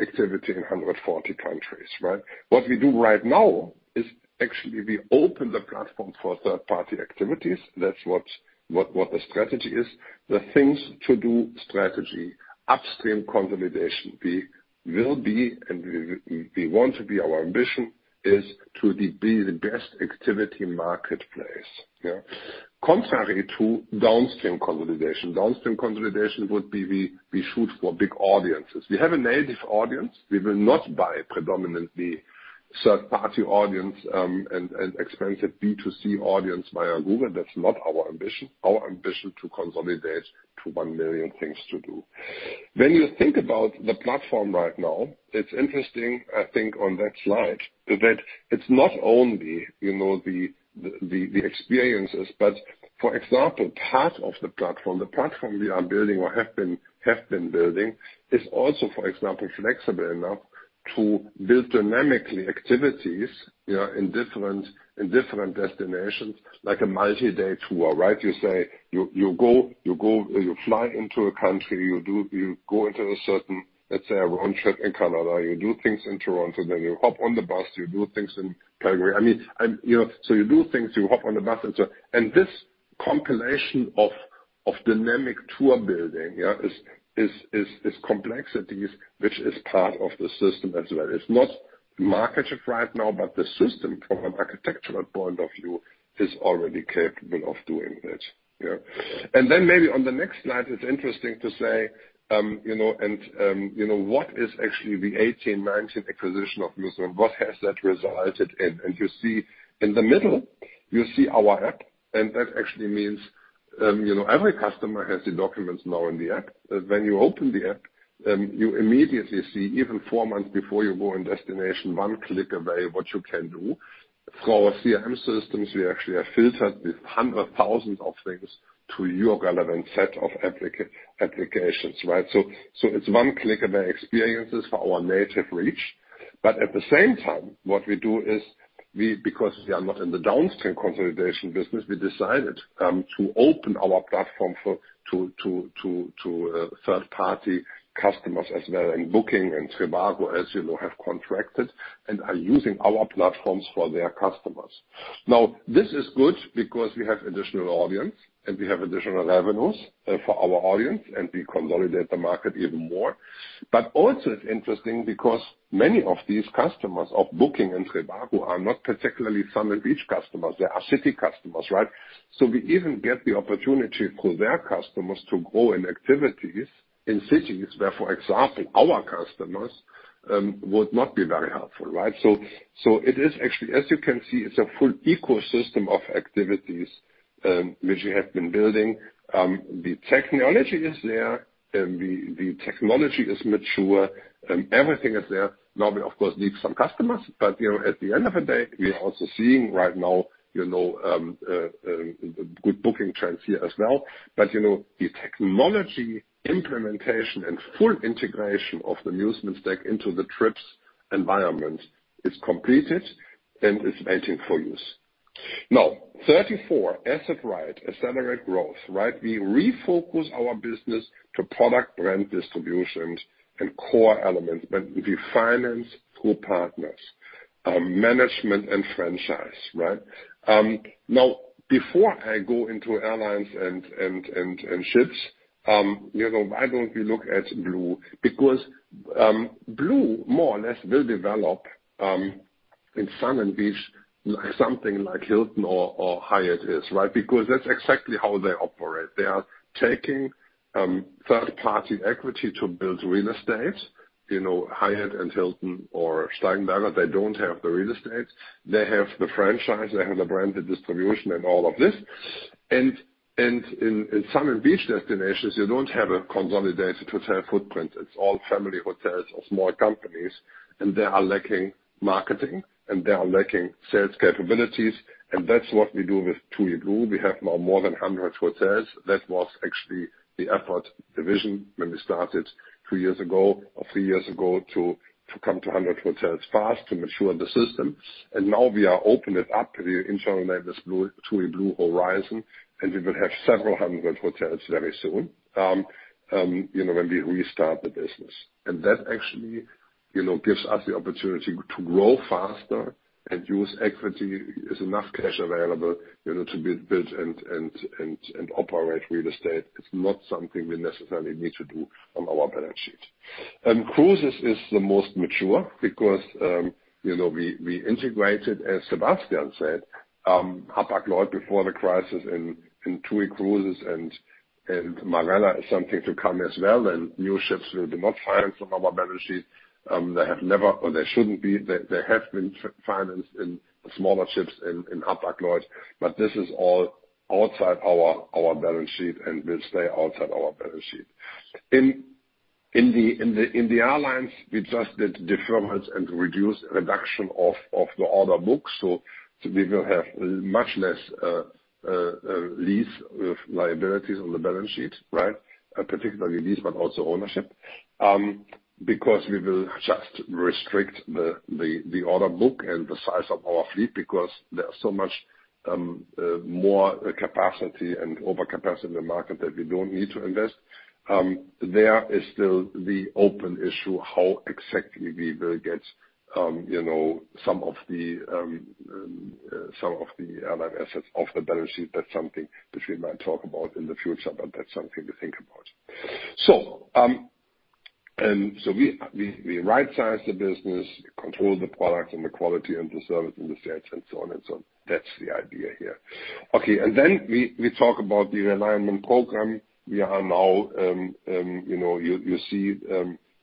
activity in 140 countries, right? What we do right now is actually we open the platform for third-party activities. That's what the strategy is. The things to do strategy, upstream consolidation. We will be, and we want to be, our ambition is to be the best activity marketplace. Contrary to downstream consolidation. Downstream consolidation would be we shoot for big audiences. We have a native audience. We will not buy predominantly third-party audience, and expensive B2C audience via Google. That's not our ambition. Our ambition to consolidate to 1 million things to do. When you think about the platform right now, it's interesting, I think, on that slide, that it's not only the experiences, but for example, part of the platform, the platform we are building or have been building is also, for example, flexible enough to build dynamically activities in different destinations, like a multi-day tour, right? You say you fly into a country, you go into a certain, let's say, a road trip in Canada. You do things in Toronto, then you hop on the bus, you do things in Calgary. You do things, you hop on the bus and so on. This compilation of dynamic tour building is complexities which is part of the system as well. It's not market shift right now, but the system from an architectural point of view is already capable of doing it. Maybe on the next slide, it's interesting to say, and what is actually the 2018, 2019 acquisition of Musement? What has that resulted in? You see in the middle, you see our app, and that actually means every customer has the documents now in the app. When you open the app, you immediately see, even four months before you go in destination, one click away what you can do. Through our CRM systems, we actually have filtered these 100,000 of things to your relevant set of applications, right? It's one click away experiences for our native reach. At the same time, what we do is, because we are not in the downstream consolidation business, we decided to open our platform to third-party customers as well, and Booking and TripAdvisor, as you know, have contracted and are using our platforms for their customers. This is good because we have additional audience, and we have additional revenues for our audience, and we consolidate the market even more. Also it's interesting because many of these customers of Booking and TripAdvisor are not particularly sun and beach customers. They are city customers, right? We even get the opportunity for their customers to grow in activities in cities where, for example, our customers would not be very helpful, right? It is actually, as you can see, it's a full ecosystem of activities, which we have been building. The technology is there, and the technology is mature, and everything is there. We, of course, need some customers, but at the end of the day, we are also seeing right now good booking trends here as well. The technology implementation and full integration of the Musement stack into the trips environment is completed and is waiting for use. 34, asset right, accelerate growth. We refocus our business to product brand distributions and core elements, but we finance through partners. Management and franchise. Before I go into airlines and ships, why don't we look at TUI BLUE? Because TUI BLUE more or less will develop, in sun and beach, something like Hilton or Hyatt is. Because that's exactly how they operate. They are taking third-party equity to build real estate. Hyatt and Hilton or Steigenberger, they don't have the real estate. They have the franchise, they have the branded distribution and all of this. In sun and beach destinations, you don't have a consolidated hotel footprint. It's all family hotels or small companies, and they are lacking marketing, and they are lacking sales capabilities. That's what we do with TUI Blue. We have now more than 100 hotels. That was actually the effort division when we started two years ago or three years ago to come to 100 hotels fast to mature the system. Now we are opening it up, the internal name is TUI Blue Horizon, and we will have several hundred hotels very soon when we restart the business. That actually gives us the opportunity to grow faster and use equity. There's enough cash available to build and operate real estate. It's not something we necessarily need to do on our balance sheet. Cruises is the most mature because we integrated, as Sebastian said, Hapag-Lloyd before the crisis in TUI Cruises and Marella is something to come as well, new ships will be not financed on our balance sheet. They have never or they shouldn't be. They have been financed in smaller ships in Hapag-Lloyd, but this is all outside our balance sheet and will stay outside our balance sheet. In the airlines, we just did deferments and reduction of the order book. We will have much less lease liabilities on the balance sheet, right? Particularly lease, but also ownership. We will just restrict the order book and the size of our fleet because there's so much more capacity and overcapacity in the market that we don't need to invest. There is still the open issue, how exactly we will get some of the airline assets off the balance sheet. That's something which we might talk about in the future, but that's something to think about. We right-size the business, control the product and the quality and the service and the sales and so on and so on. That's the idea here. Okay. We talk about the realignment program. We are now you see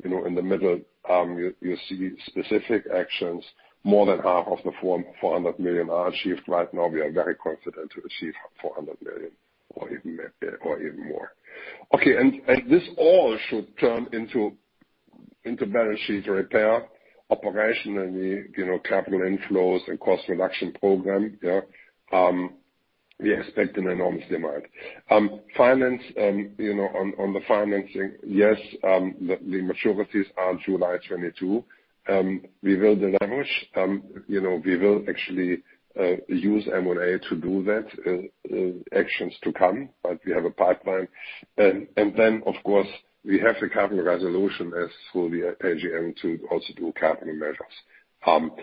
in the middle, you see specific actions. More than half of the 400 million are achieved right now. We are very confident to achieve 400 million or even more. Okay. This all should turn into balance sheet repair. Operationally, capital inflows and cost reduction program. We expect an enormous demand. Finance, on the financing, yes, the maturities are July 2022. We will deleverage. We will actually use M&A to do that. Actions to come, but we have a pipeline. Of course, we have the capital resolution as for the AGM to also do capital measures.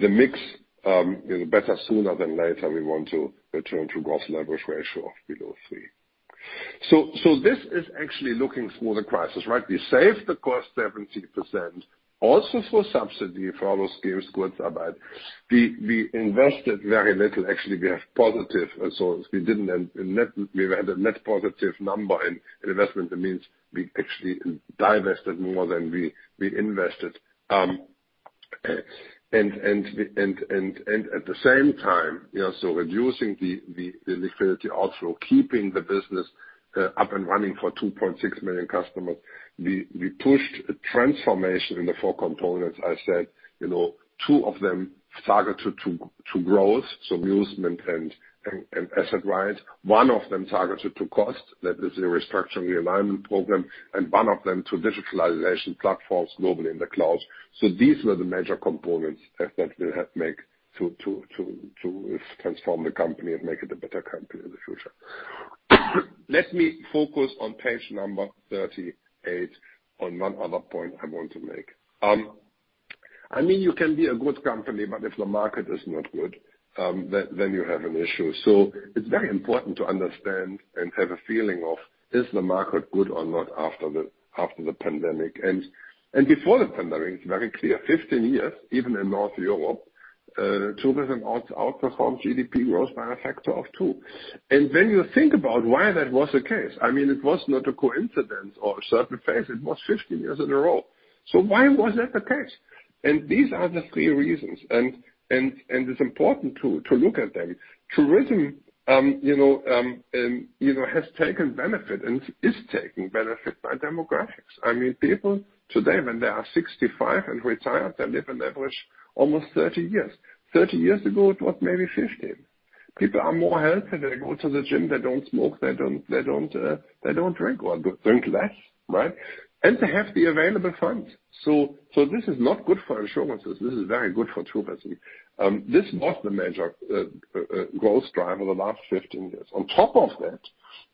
The mix, better sooner than later, we want to return to gross leverage ratio of below three. This is actually looking through the crisis, right? We saved the cost 70%, also through subsidy for those schemes, Kurzarbeit. We invested very little. Actually, we have positive. We had a net positive number in investment. That means we actually divested more than we invested. At the same time, reducing the liquidity outflow, keeping the business up and running for 2.6 million customers, we pushed a transformation in the four components I said. Two of them targeted to growth, Musement and asset right. One of them targeted to cost, that is the restructuring realignment program, one of them to digitalization platforms globally in the cloud. These were the major components that will help make to transform the company and make it a better company in the future. Let me focus on page number 38 on one other point I want to make. I mean, you can be a good company, if the market is not good, you have an issue. It's very important to understand and have a feeling of, is the market good or not after the pandemic? Before the pandemic, it's very clear, 15 years, even in North Europe, tourism outperforms GDP growth by a factor of two. When you think about why that was the case, it was not a coincidence or a certain phase, it was 15 years in a row. Why was that the case? These are the three reasons, and it's important to look at them. Tourism has taken benefit and is taking benefit by demographics. People today, when they are 65 and retired, they live an average almost 30 years. 30 years ago, it was maybe 15. People are more healthy. They go to the gym. They don't smoke. They don't drink, or drink less, right? They have the available funds. This is not good for insurances. This is very good for tourism. This was the major growth driver the last 15 years. On top of that,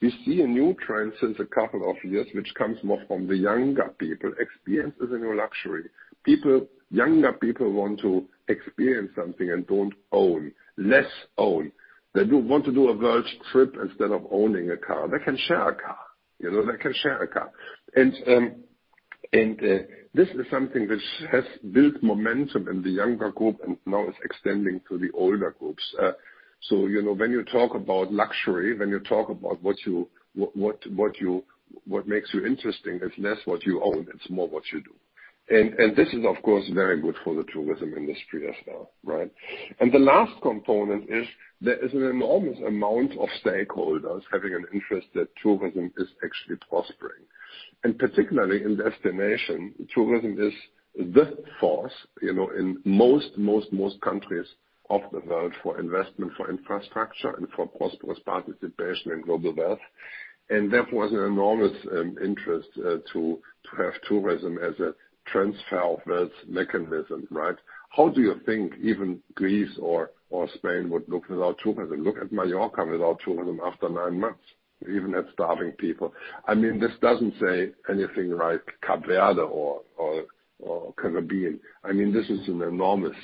we see a new trend since a couple of years, which comes more from the younger people. Experiences are your luxury. Younger people want to experience something and don't own, less own. They do want to do a world trip instead of owning a car. They can share a car. This is something which has built momentum in the younger group and now it's extending to the older groups. When you talk about luxury, when you talk about what makes you interesting, it's less what you own, it's more what you do. This is of course very good for the tourism industry as well, right? The last component is there is an enormous amount of stakeholders having an interest that tourism is actually prospering. Particularly in destination, tourism is the force in most countries of the world for investment, for infrastructure, and for prosperous participation in global wealth. Therefore, an enormous interest to have tourism as a transfer of wealth mechanism, right? How do you think even Greece or Spain would look without tourism? Look at Mallorca without tourism after nine months. They even had starving people. This doesn't say anything like Cabo Verde or Caribbean. This is an enormous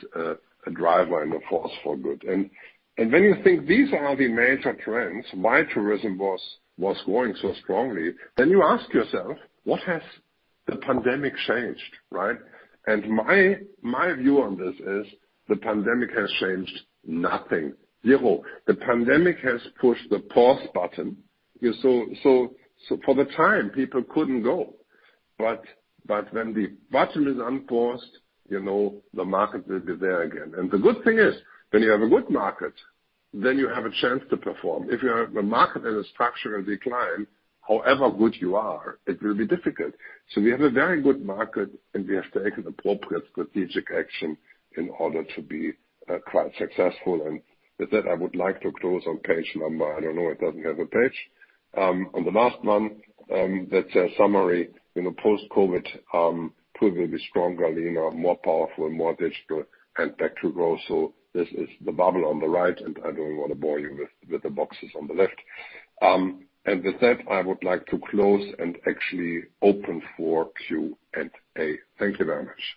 driver and a force for good. When you think these are the major trends why tourism was growing so strongly, then you ask yourself, what has the pandemic changed, right? My view on this is the pandemic has changed nothing. Zero. The pandemic has pushed the pause button. For the time, people couldn't go. When the button is unpaused, the market will be there again. The good thing is when you have a good market, then you have a chance to perform. If you have a market in a structural decline, however good you are, it will be difficult. We have a very good market, and we have to take an appropriate strategic action in order to be quite successful. With that, I would like to close on page number, I don't know, it doesn't have a page. On the last one, that says Summary, post-COVID, TUI will be stronger, leaner, more powerful, more digital, and back to growth. This is the bubble on the right, and I don't want to bore you with the boxes on the left. With that, I would like to close and actually open for Q&A. Thank you very much.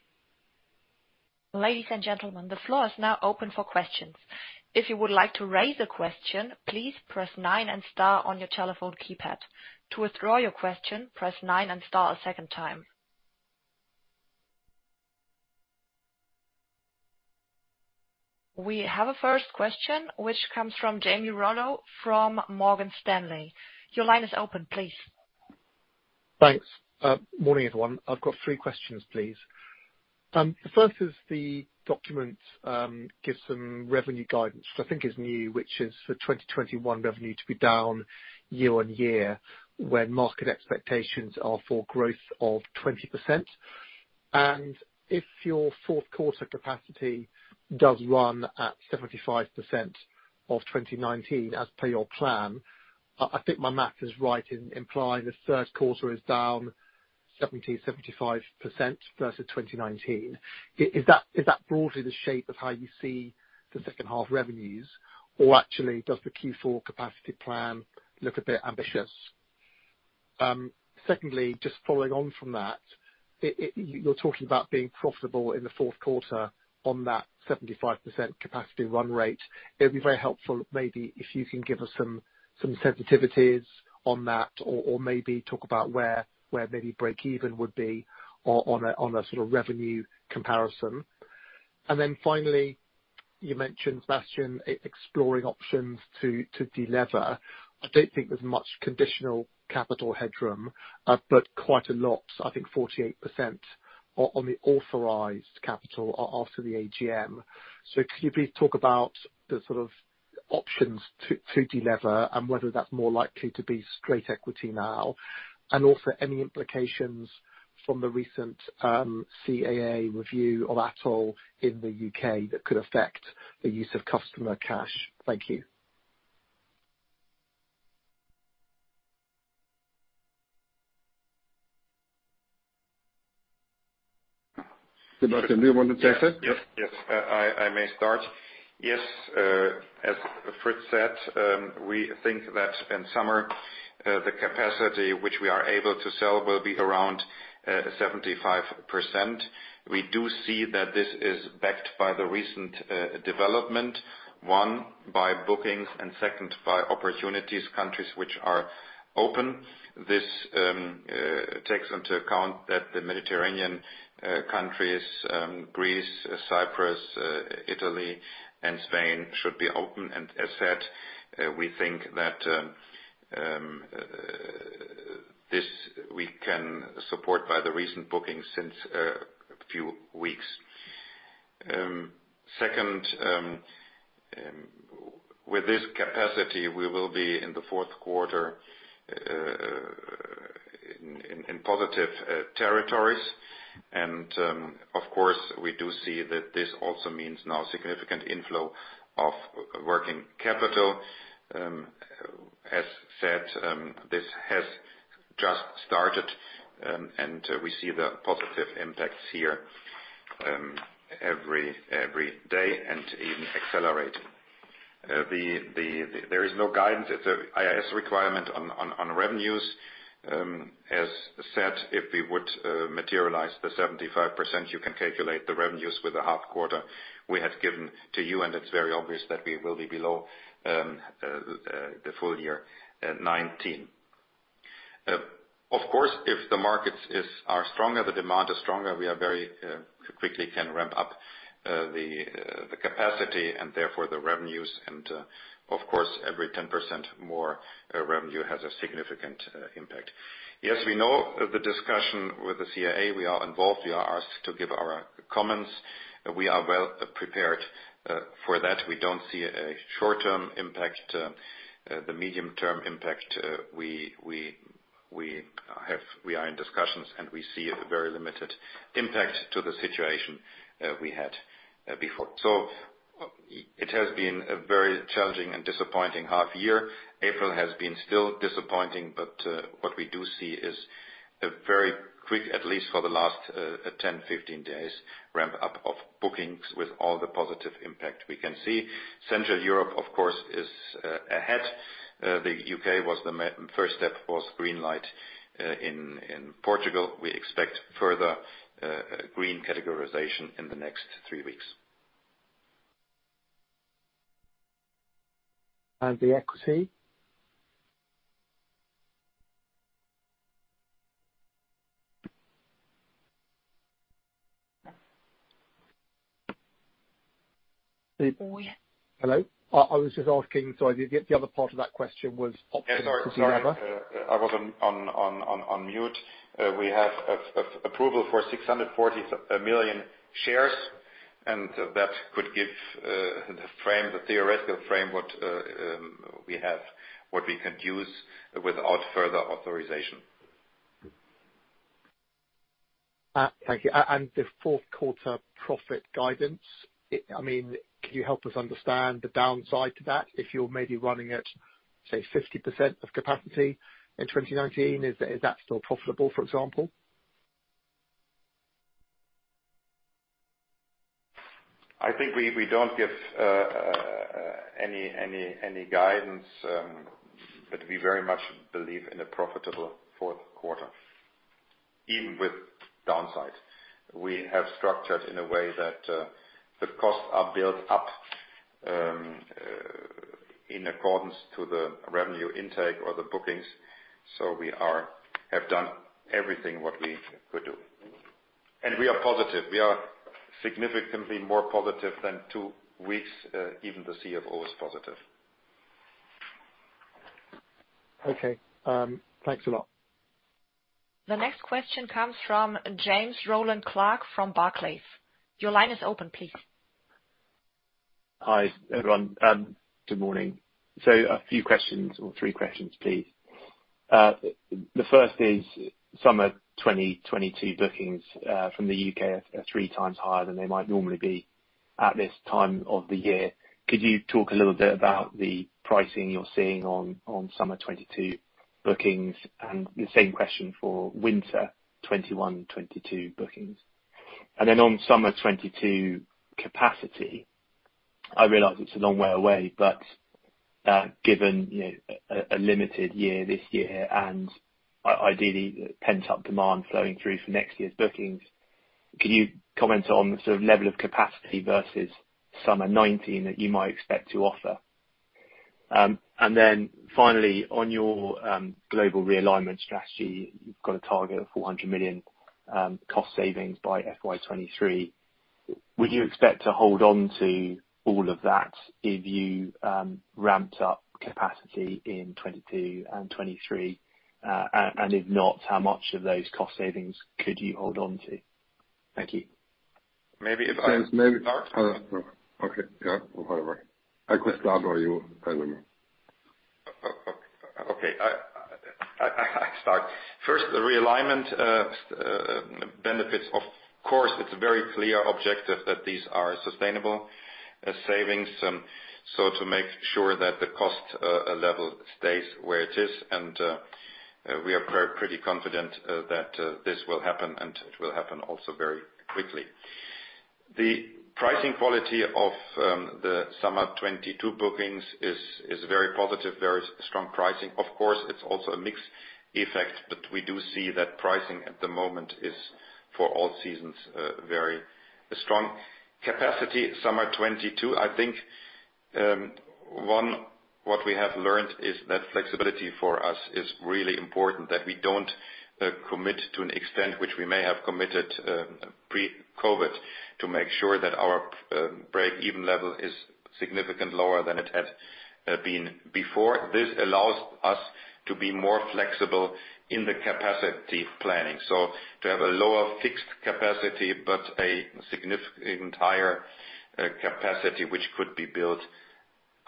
Ladies and gentlemen, the floor is now open for questions. If you would like to raise a question, please press nine and Star on your telephone keypad. To withdraw your question, press Nine and Star a second time. We have a first question, which comes from Jamie Rollo from Morgan Stanley. Your line is open, please. Thanks. Morning, everyone. I've got three questions, please. The first is the document gives some revenue guidance, which I think is new, which is for 2021 revenue to be down year-over-year, where market expectations are for growth of 20%. If your fourth quarter capacity does run at 75% of 2019 as per your plan, I think my math is right in implying the third quarter is down 70%-75% versus 2019. Is that broadly the shape of how you see the second half revenues, or actually does the Q4 capacity plan look a bit ambitious? Secondly, just following on from that, you're talking about being profitable in the fourth quarter on that 75% capacity run rate. It'd be very helpful maybe if you can give us some sensitivities on that or maybe talk about where maybe break even would be on a sort of revenue comparison. Finally, you mentioned, Sebastian, exploring options to de-lever. I don't think there's much conditional capital headroom, but quite a lot, I think 48% on the authorized capital after the AGM. Could you please talk about the sort of options to de-lever and whether that's more likely to be straight equity now? Also, any implications from the recent CAA review of ATOL in the U.K. that could affect the use of customer cash. Thank you. Sebastian, do you want to take that? Yes. I may start. Yes. As Fritz said, we think that in summer, the capacity which we are able to sell will be around 75%. We do see that this is backed by the recent development, by bookings, and second, by opportunities, countries which are open. This takes into account that the Mediterranean countries, Greece, Cyprus, Italy, and Spain, should be open. As said, we think that this we can support by the recent bookings since a few weeks. Second, with this capacity, we will be in the fourth quarter in positive territories. Of course, we do see that this also means now significant inflow of working capital. As said, this has just started, and we see the positive impacts here every day, and even accelerating. There is no guidance. It's an IAS requirement on revenues. As said, if we would materialize the 75%, you can calculate the revenues with the half quarter we had given to you. It's very obvious that we will be below the full year 2019. Of course, if the markets are stronger, the demand is stronger, we very quickly can ramp up the capacity and therefore the revenues. Of course, every 10% more revenue has a significant impact. Yes, we know the discussion with the CAA. We are involved. We are asked to give our comments. We are well prepared for that. We don't see a short-term impact. The medium-term impact, we are in discussions. We see a very limited impact to the situation we had before. It has been a very challenging and disappointing half year. April has been still disappointing, but what we do see is a very quick, at least for the last 10, 15 days, ramp up of bookings with all the positive impact we can see. Central Europe, of course, is ahead. The U.K. was the first step was green light. In Portugal, we expect further green categorization in the next three weeks. The equity? Hello? I was just asking, sorry. The other part of that question was opportunity cover. Yeah, sorry. I was on mute. We have approval for 640 million shares, and that could give the theoretical framework we have what we could use without further authorization. Thank you. The fourth quarter profit guidance? Can you help us understand the downside to that if you're maybe running at, say, 50% of capacity in 2019? Is that still profitable, for example? I think we don't give any guidance, but we very much believe in a profitable fourth quarter, even with downsides. We have structured in a way that the costs are built up in accordance to the revenue intake or the bookings. We have done everything what we could do. We are positive. We are significantly more positive than two weeks. Even the CFO is positive. Okay. Thanks a lot. The next question comes from James Roland Clark from Barclays. Your line is open, please. A few questions or three questions, please. The first is summer 2022 bookings from the U.K. are three times higher than they might normally be at this time of the year. Could you talk a little bit about the pricing you're seeing on summer 2022 bookings? The same question for winter 2021-2022 bookings. On summer 2022 capacity, I realize it's a long way away, but given a limited year this year and ideally pent-up demand flowing through for next year's bookings, can you comment on the level of capacity versus summer 2019 that you might expect to offer? Finally, on your global realignment strategy, you've got a target of 400 million cost savings by FY 2023. Would you expect to hold on to all of that if you ramped up capacity in 2022 and 2023? If not, how much of those cost savings could you hold on to? Thank you. Maybe if I start? James, Okay. Yeah. Whatever. I could start or you. I don't know. I start. The realignment benefits. It's a very clear objective that these are sustainable savings. To make sure that the cost level stays where it is, we are pretty confident that this will happen, it will happen also very quickly. The pricing quality of the summer 2022 bookings is very positive, very strong pricing. It's also a mixed effect, we do see that pricing at the moment is for all seasons, very strong. Capacity summer 2022, I think, what we have learned is that flexibility for us is really important, that we don't commit to an extent which we may have committed pre-COVID to make sure that our break-even level is significantly lower than it had been before. This allows us to be more flexible in the capacity planning. To have a lower fixed capacity, but a significantly higher capacity which could be built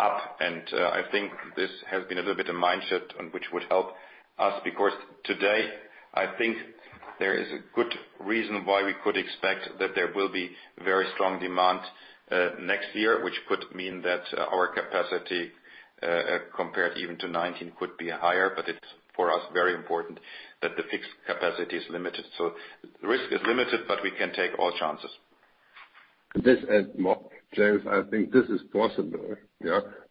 up. I think this has been a little bit of mind shift and which would help us because today, I think there is a good reason why we could expect that there will be very strong demand next year, which could mean that our capacity, compared even to 2019, could be higher. It's, for us, very important that the fixed capacity is limited. The risk is limited, but we can take all chances. This, and Mark, James, I think this is possible, yeah,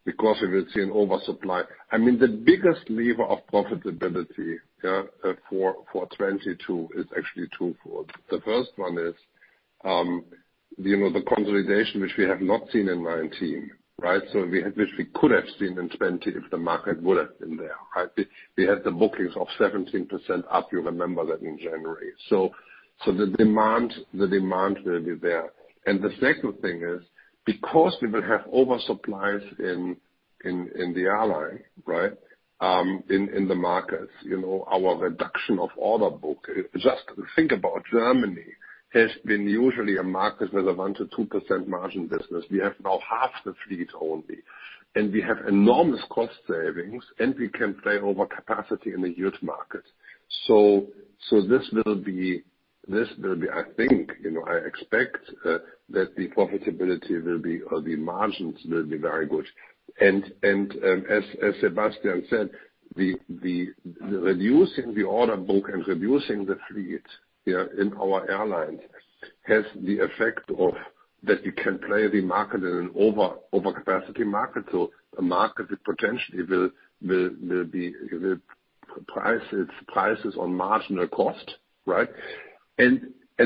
because if you've seen oversupply. I mean, the biggest lever of profitability, yeah, for 2022 is actually twofold. The first one is the consolidation, which we have not seen in 2019, right? Which we could have seen in 2020 if the market would have been there, right? We had the bookings of 17% up, you remember that in January. The demand will be there. The second thing is, because we will have oversupply in the airline, right, in the markets, our reduction of order book. Just think about Germany, has been usually a market with a 1%-2% margin business. We have now half the fleet only, and we have enormous cost savings, and we can play over capacity in the huge market. This will be, I think, I expect, that the profitability or the margins will be very good. As Sebastian Ebel said, the reducing the order book and reducing the fleet in our airlines has the effect of that you can play the market in an overcapacity market, so a market that potentially will price its prices on marginal cost, right?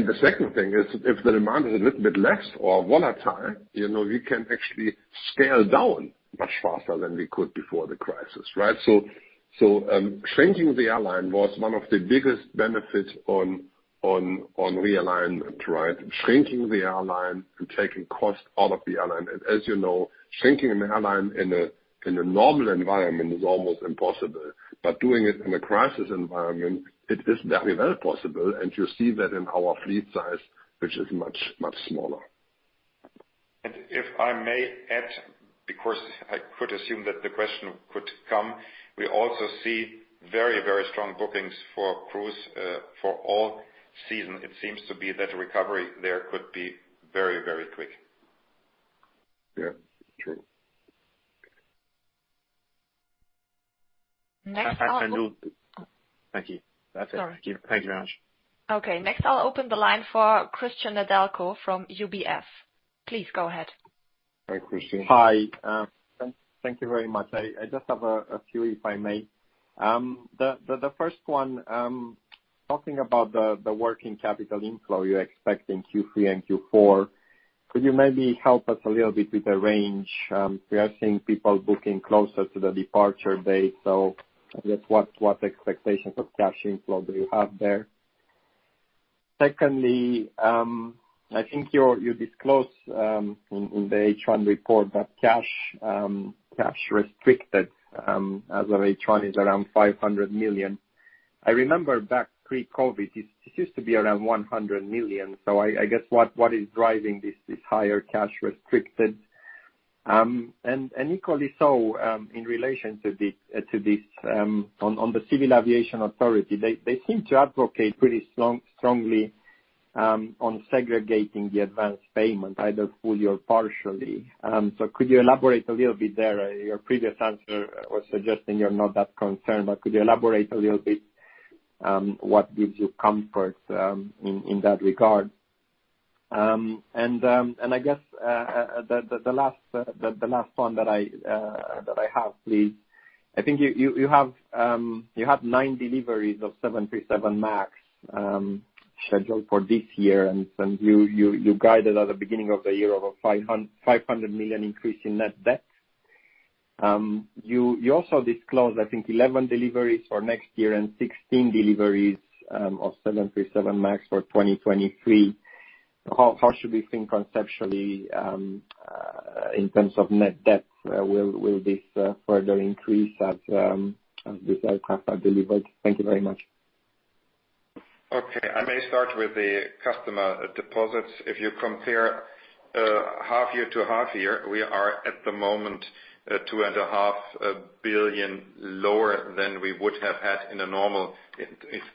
The second thing is, if the demand is a little bit less or volatile, we can actually scale down much faster than we could before the crisis, right? Shrinking the airline was one of the biggest benefits on realignment, right? Shrinking the airline and taking cost out of the airline. As you know, shrinking an airline in a normal environment is almost impossible. Doing it in a crisis environment, it is very well possible, and you see that in our fleet size, which is much, much smaller. If I may add, because I could assume that the question could come, we also see very, very strong bookings for cruise for all season. It seems to be that recovery there could be very, very quick. Yeah. True. Next I'll open. I do. Thank you. That's it. Sorry. Thank you very much. Okay. Next, I'll open the line for Cristian Nedelcu from UBS. Please go ahead. Hi, Cristian. Hi. Thank you very much. I just have a few, if I may. The first one, talking about the working capital inflow you expect in Q3 and Q4, could you maybe help us a little bit with the range? We are seeing people booking closer to the departure date, so I guess, what expectations of cash inflow do you have there? Secondly, I think you disclosed in the H1 report that cash restricted as of H1 is around 500 million. I remember back pre-COVID, this used to be around 100 million. I guess, what is driving this higher cash restricted? Equally so, in relation to this, on the Civil Aviation Authority, they seem to advocate pretty strongly on segregating the advanced payment, either fully or partially. Could you elaborate a little bit there? Your previous answer was suggesting you're not that concerned, but could you elaborate a little bit, what gives you comfort in that regard? I guess, the last one that I have is, I think you have nine deliveries of 737 MAX scheduled for this year. You guided at the beginning of the year of a 500 million increase in net debt. You also disclosed, I think, 11 deliveries for next year and 16 deliveries of 737 MAX for 2023. How should we think conceptually, in terms of net debt? Will this further increase as this aircraft are delivered? Thank you very much. Okay. I may start with the customer deposits. If you compare half year to half year, we are, at the moment, two and a half billion EUR lower than we would have had in a normal, if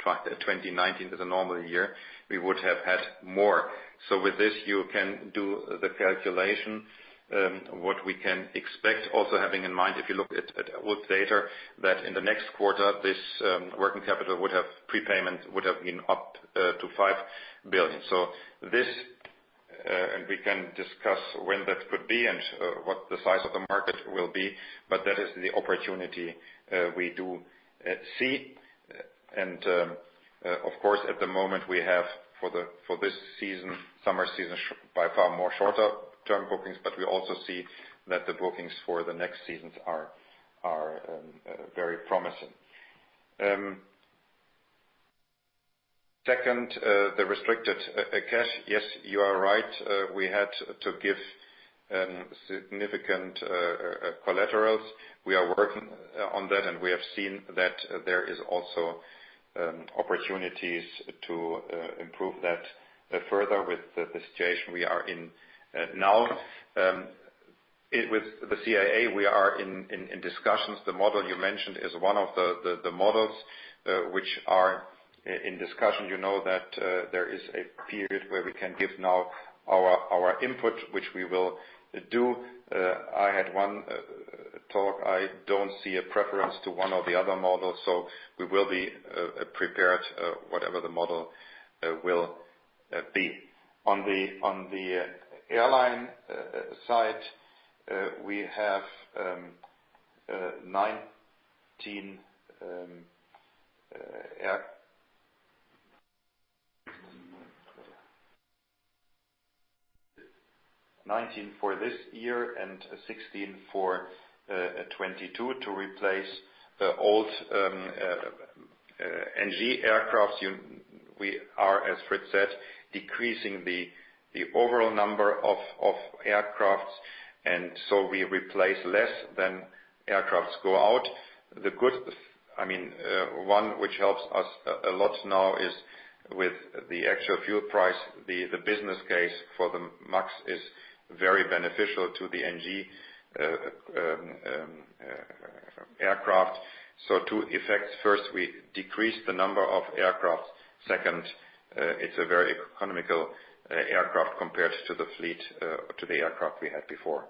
2019 was a normal year, we would have had more. With this, you can do the calculation, what we can expect also having in mind, if you look at Wolfe Research's data, that in the next quarter, this working capital prepayment would have been up to 5 billion. We can discuss when that could be and what the size of the market will be, that is the opportunity we do see. Of course, at the moment we have for this summer season, by far more shorter term bookings. We also see that the bookings for the next seasons are very promising. Second, the restricted cash. Yes, you are right. We had to give significant collaterals. We are working on that, and we have seen that there is also opportunities to improve that further with the situation we are in now. With the CAA, we are in discussions. The model you mentioned is one of the models which are in discussion. You know that there is a period where we can give now our input, which we will do. I had one talk. I don't see a preference to one or the other model, so we will be prepared whatever the model will be. On the airline side, we have 19 for this year and 16 for 2022 to replace the old NG aircraft. We are, as Fritz said, decreasing the overall number of aircrafts, and so we replace less than aircrafts go out. One which helps us a lot now is with the actual fuel price, the business case for the MAX is very beneficial to the NG aircraft. Two effects. First, we decrease the number of aircraft. Second, it's a very economical aircraft compared to the aircraft we had before.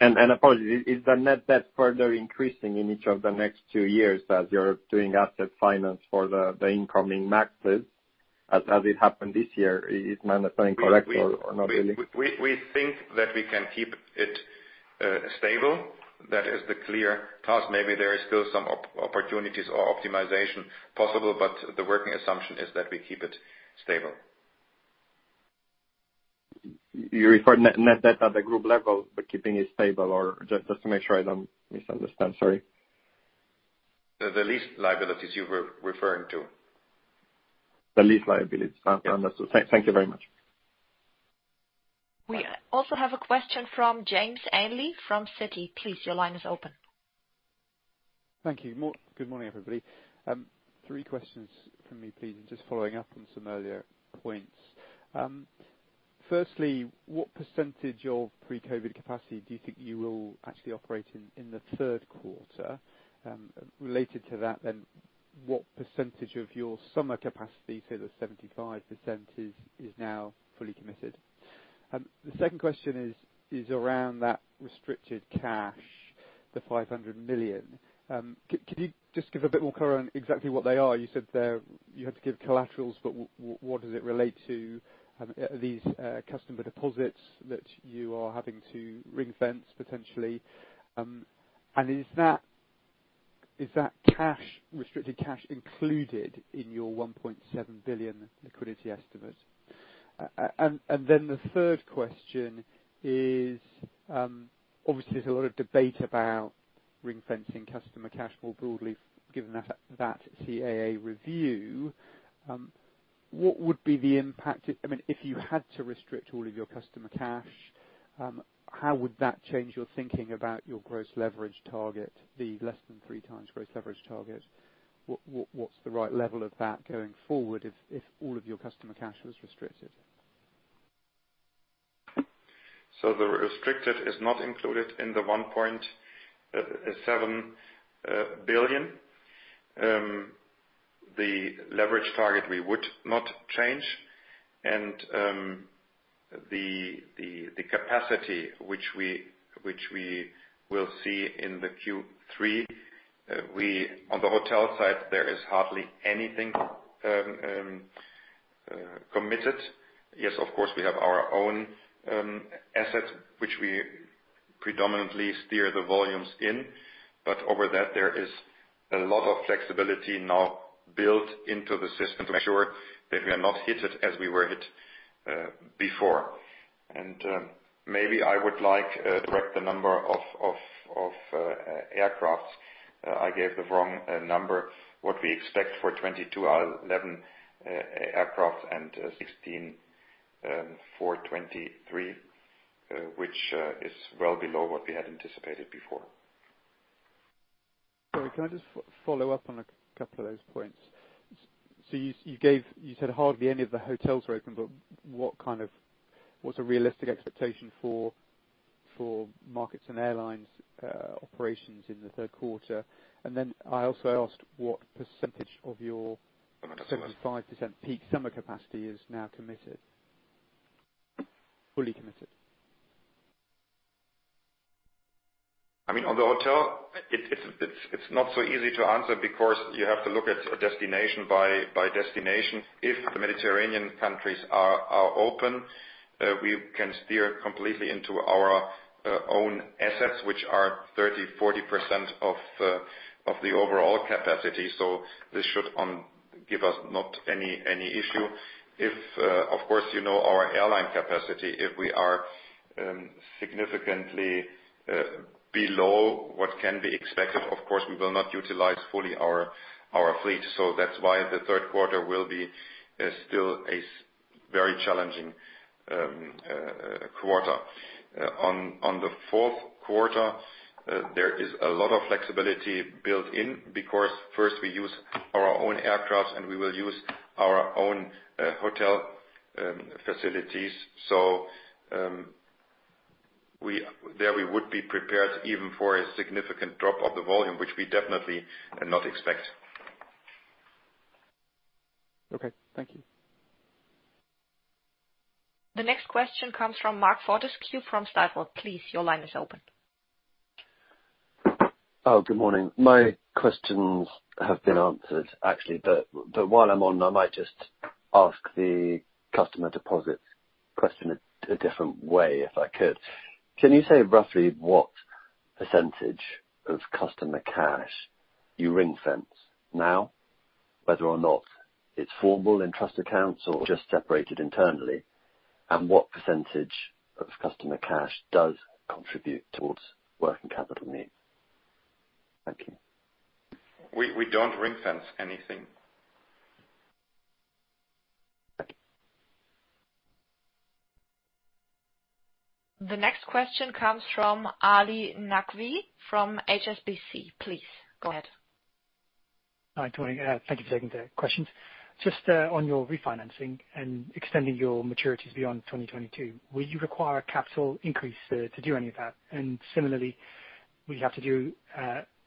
Apologies, is the net debt further increasing in each of the next two years as you're doing asset finance for the incoming MAXes, as it happened this year? Is my understanding correct or not really? We think that we can keep it stable. That is the clear task. Maybe there is still some opportunities or optimization possible, but the working assumption is that we keep it stable. You referred net debt at the group level, but keeping it stable or just to make sure I don't misunderstand. Sorry. The lease liabilities you were referring to. The lease liabilities. Understood. Thank you very much. We also have a question from James Ainley from Citi. Please, your line is open. Thank you. Good morning, everybody. Three questions from me, please, just following up on some earlier points. Firstly, what percentage of pre-COVID capacity do you think you will actually operate in the third quarter? Related to that, what percentage of your summer capacity, say, the 75%, is now fully committed? The second question is around that restricted cash, the 500 million. Could you just give a bit more color on exactly what they are? You said you had to give collaterals, what does it relate to? Are these customer deposits that you are having to ring-fence potentially? Is that restricted cash included in your 1.7 billion liquidity estimate? The third question is, obviously, there's a lot of debate about ring-fencing customer cash more broadly given that CAA review. What would be the impact, if you had to restrict all of your customer cash, how would that change your thinking about your gross leverage target, the less than three times gross leverage target? What's the right level of that going forward if all of your customer cash was restricted? The restricted is not included in the 1.7 billion. The leverage target we would not change. The capacity which we will see in the Q3, on the hotel side, there is hardly anything committed. Yes, of course, we have our own assets, which we predominantly steer the volumes in, but over that, there is a lot of flexibility now built into the system to ensure that we are not hit as we were hit before. Maybe I would like to correct the number of aircraft. I gave the wrong number. What we expect for 2022 are 11 aircraft and 16 for 2023, which is well below what we had anticipated before. Sorry, can I just follow up on a couple of those points? You said hardly any of the hotels were open, but what's a realistic expectation for markets and airlines operations in the third quarter? I also asked what percentage of your- I'm not sure. 75% peak summer capacity is now fully committed? On the hotel, it's not so easy to answer because you have to look at destination by destination. If the Mediterranean countries are open, we can steer completely into our own assets, which are 30%, 40% of the overall capacity. This should give us not any issue. If, of course, you know our airline capacity, if we are significantly below what can be expected, of course, we will not utilize fully our fleet. That's why the third quarter will be still a very challenging quarter. On the fourth quarter, there is a lot of flexibility built in because first we use our own aircraft and we will use our own hotel facilities. There we would be prepared even for a significant drop of the volume, which we definitely not expect. Okay. Thank you. The next question comes from Mark-Anthony Fotakidis from Stifel. Please, your line is open. Good morning. My questions have been answered, actually. While I'm on, I might just ask the customer deposit question a different way, if I could. Can you say roughly what % of customer cash you ring-fence now, whether or not it's formal in trust accounts or just separated internally? What % of customer cash does contribute towards working capital needs? Thank you. We don't ring-fence anything. Thank you. The next question comes from Ali Naqvi from HSBC. Please, go ahead. Hi, Tony. Thank you for taking the questions. Just on your refinancing and extending your maturities beyond 2022, will you require a capital increase to do any of that? Similarly, will you have to do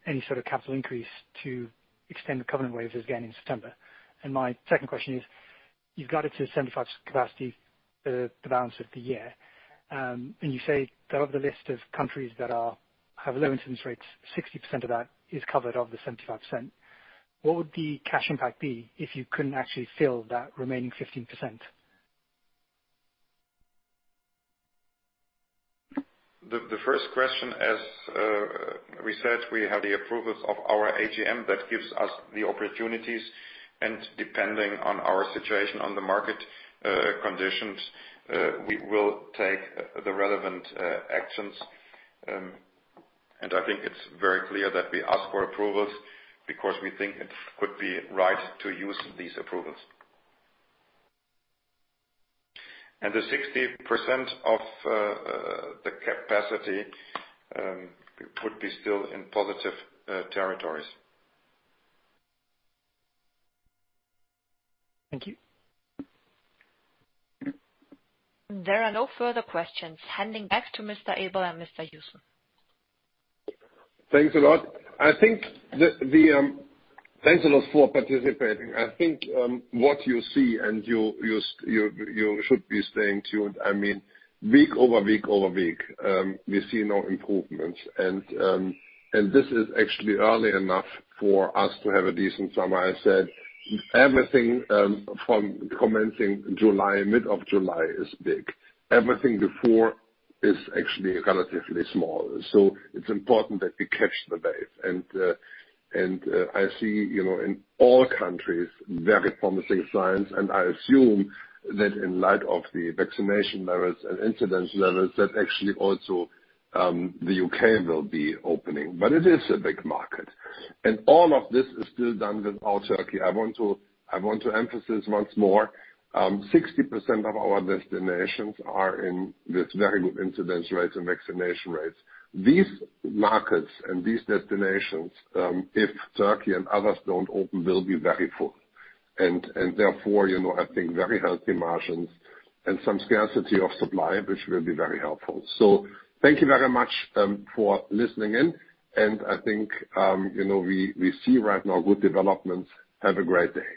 any sort of capital increase to extend the covenant waivers again in September? My second question is, you've got it to 75% capacity the balance of the year. You say that of the list of countries that have low incidence rates, 60% of that is covered of the 75%. What would the cash impact be if you couldn't actually fill that remaining 15%? The first question, as we said, we have the approvals of our AGM that gives us the opportunities, and depending on our situation on the market conditions, we will take the relevant actions. I think it's very clear that we ask for approvals because we think it could be right to use these approvals. The 60% of the capacity would be still in positive territories. Thank you. There are no further questions. Handing back to Mr. Ebel and Mr. Joussen. Thanks a lot. Thanks a lot for participating. I think what you see, and you should be staying tuned, week over week over week, we see now improvements. This is actually early enough for us to have a decent summer. I said everything from commencing July, mid of July is big. Everything before is actually relatively small. It's important that we catch the wave. I see in all countries very promising signs, and I assume that in light of the vaccination levels and incidence levels, that actually also the U.K. will be opening. It is a big market. All of this is still done without Turkey. I want to emphasize once more, 60% of our destinations are in this very good incidence rates and vaccination rates. These markets and these destinations, if Turkey and others don't open, will be very full. Therefore, I think very healthy margins and some scarcity of supply, which will be very helpful. Thank you very much for listening in. I think we see right now good developments. Have a great day.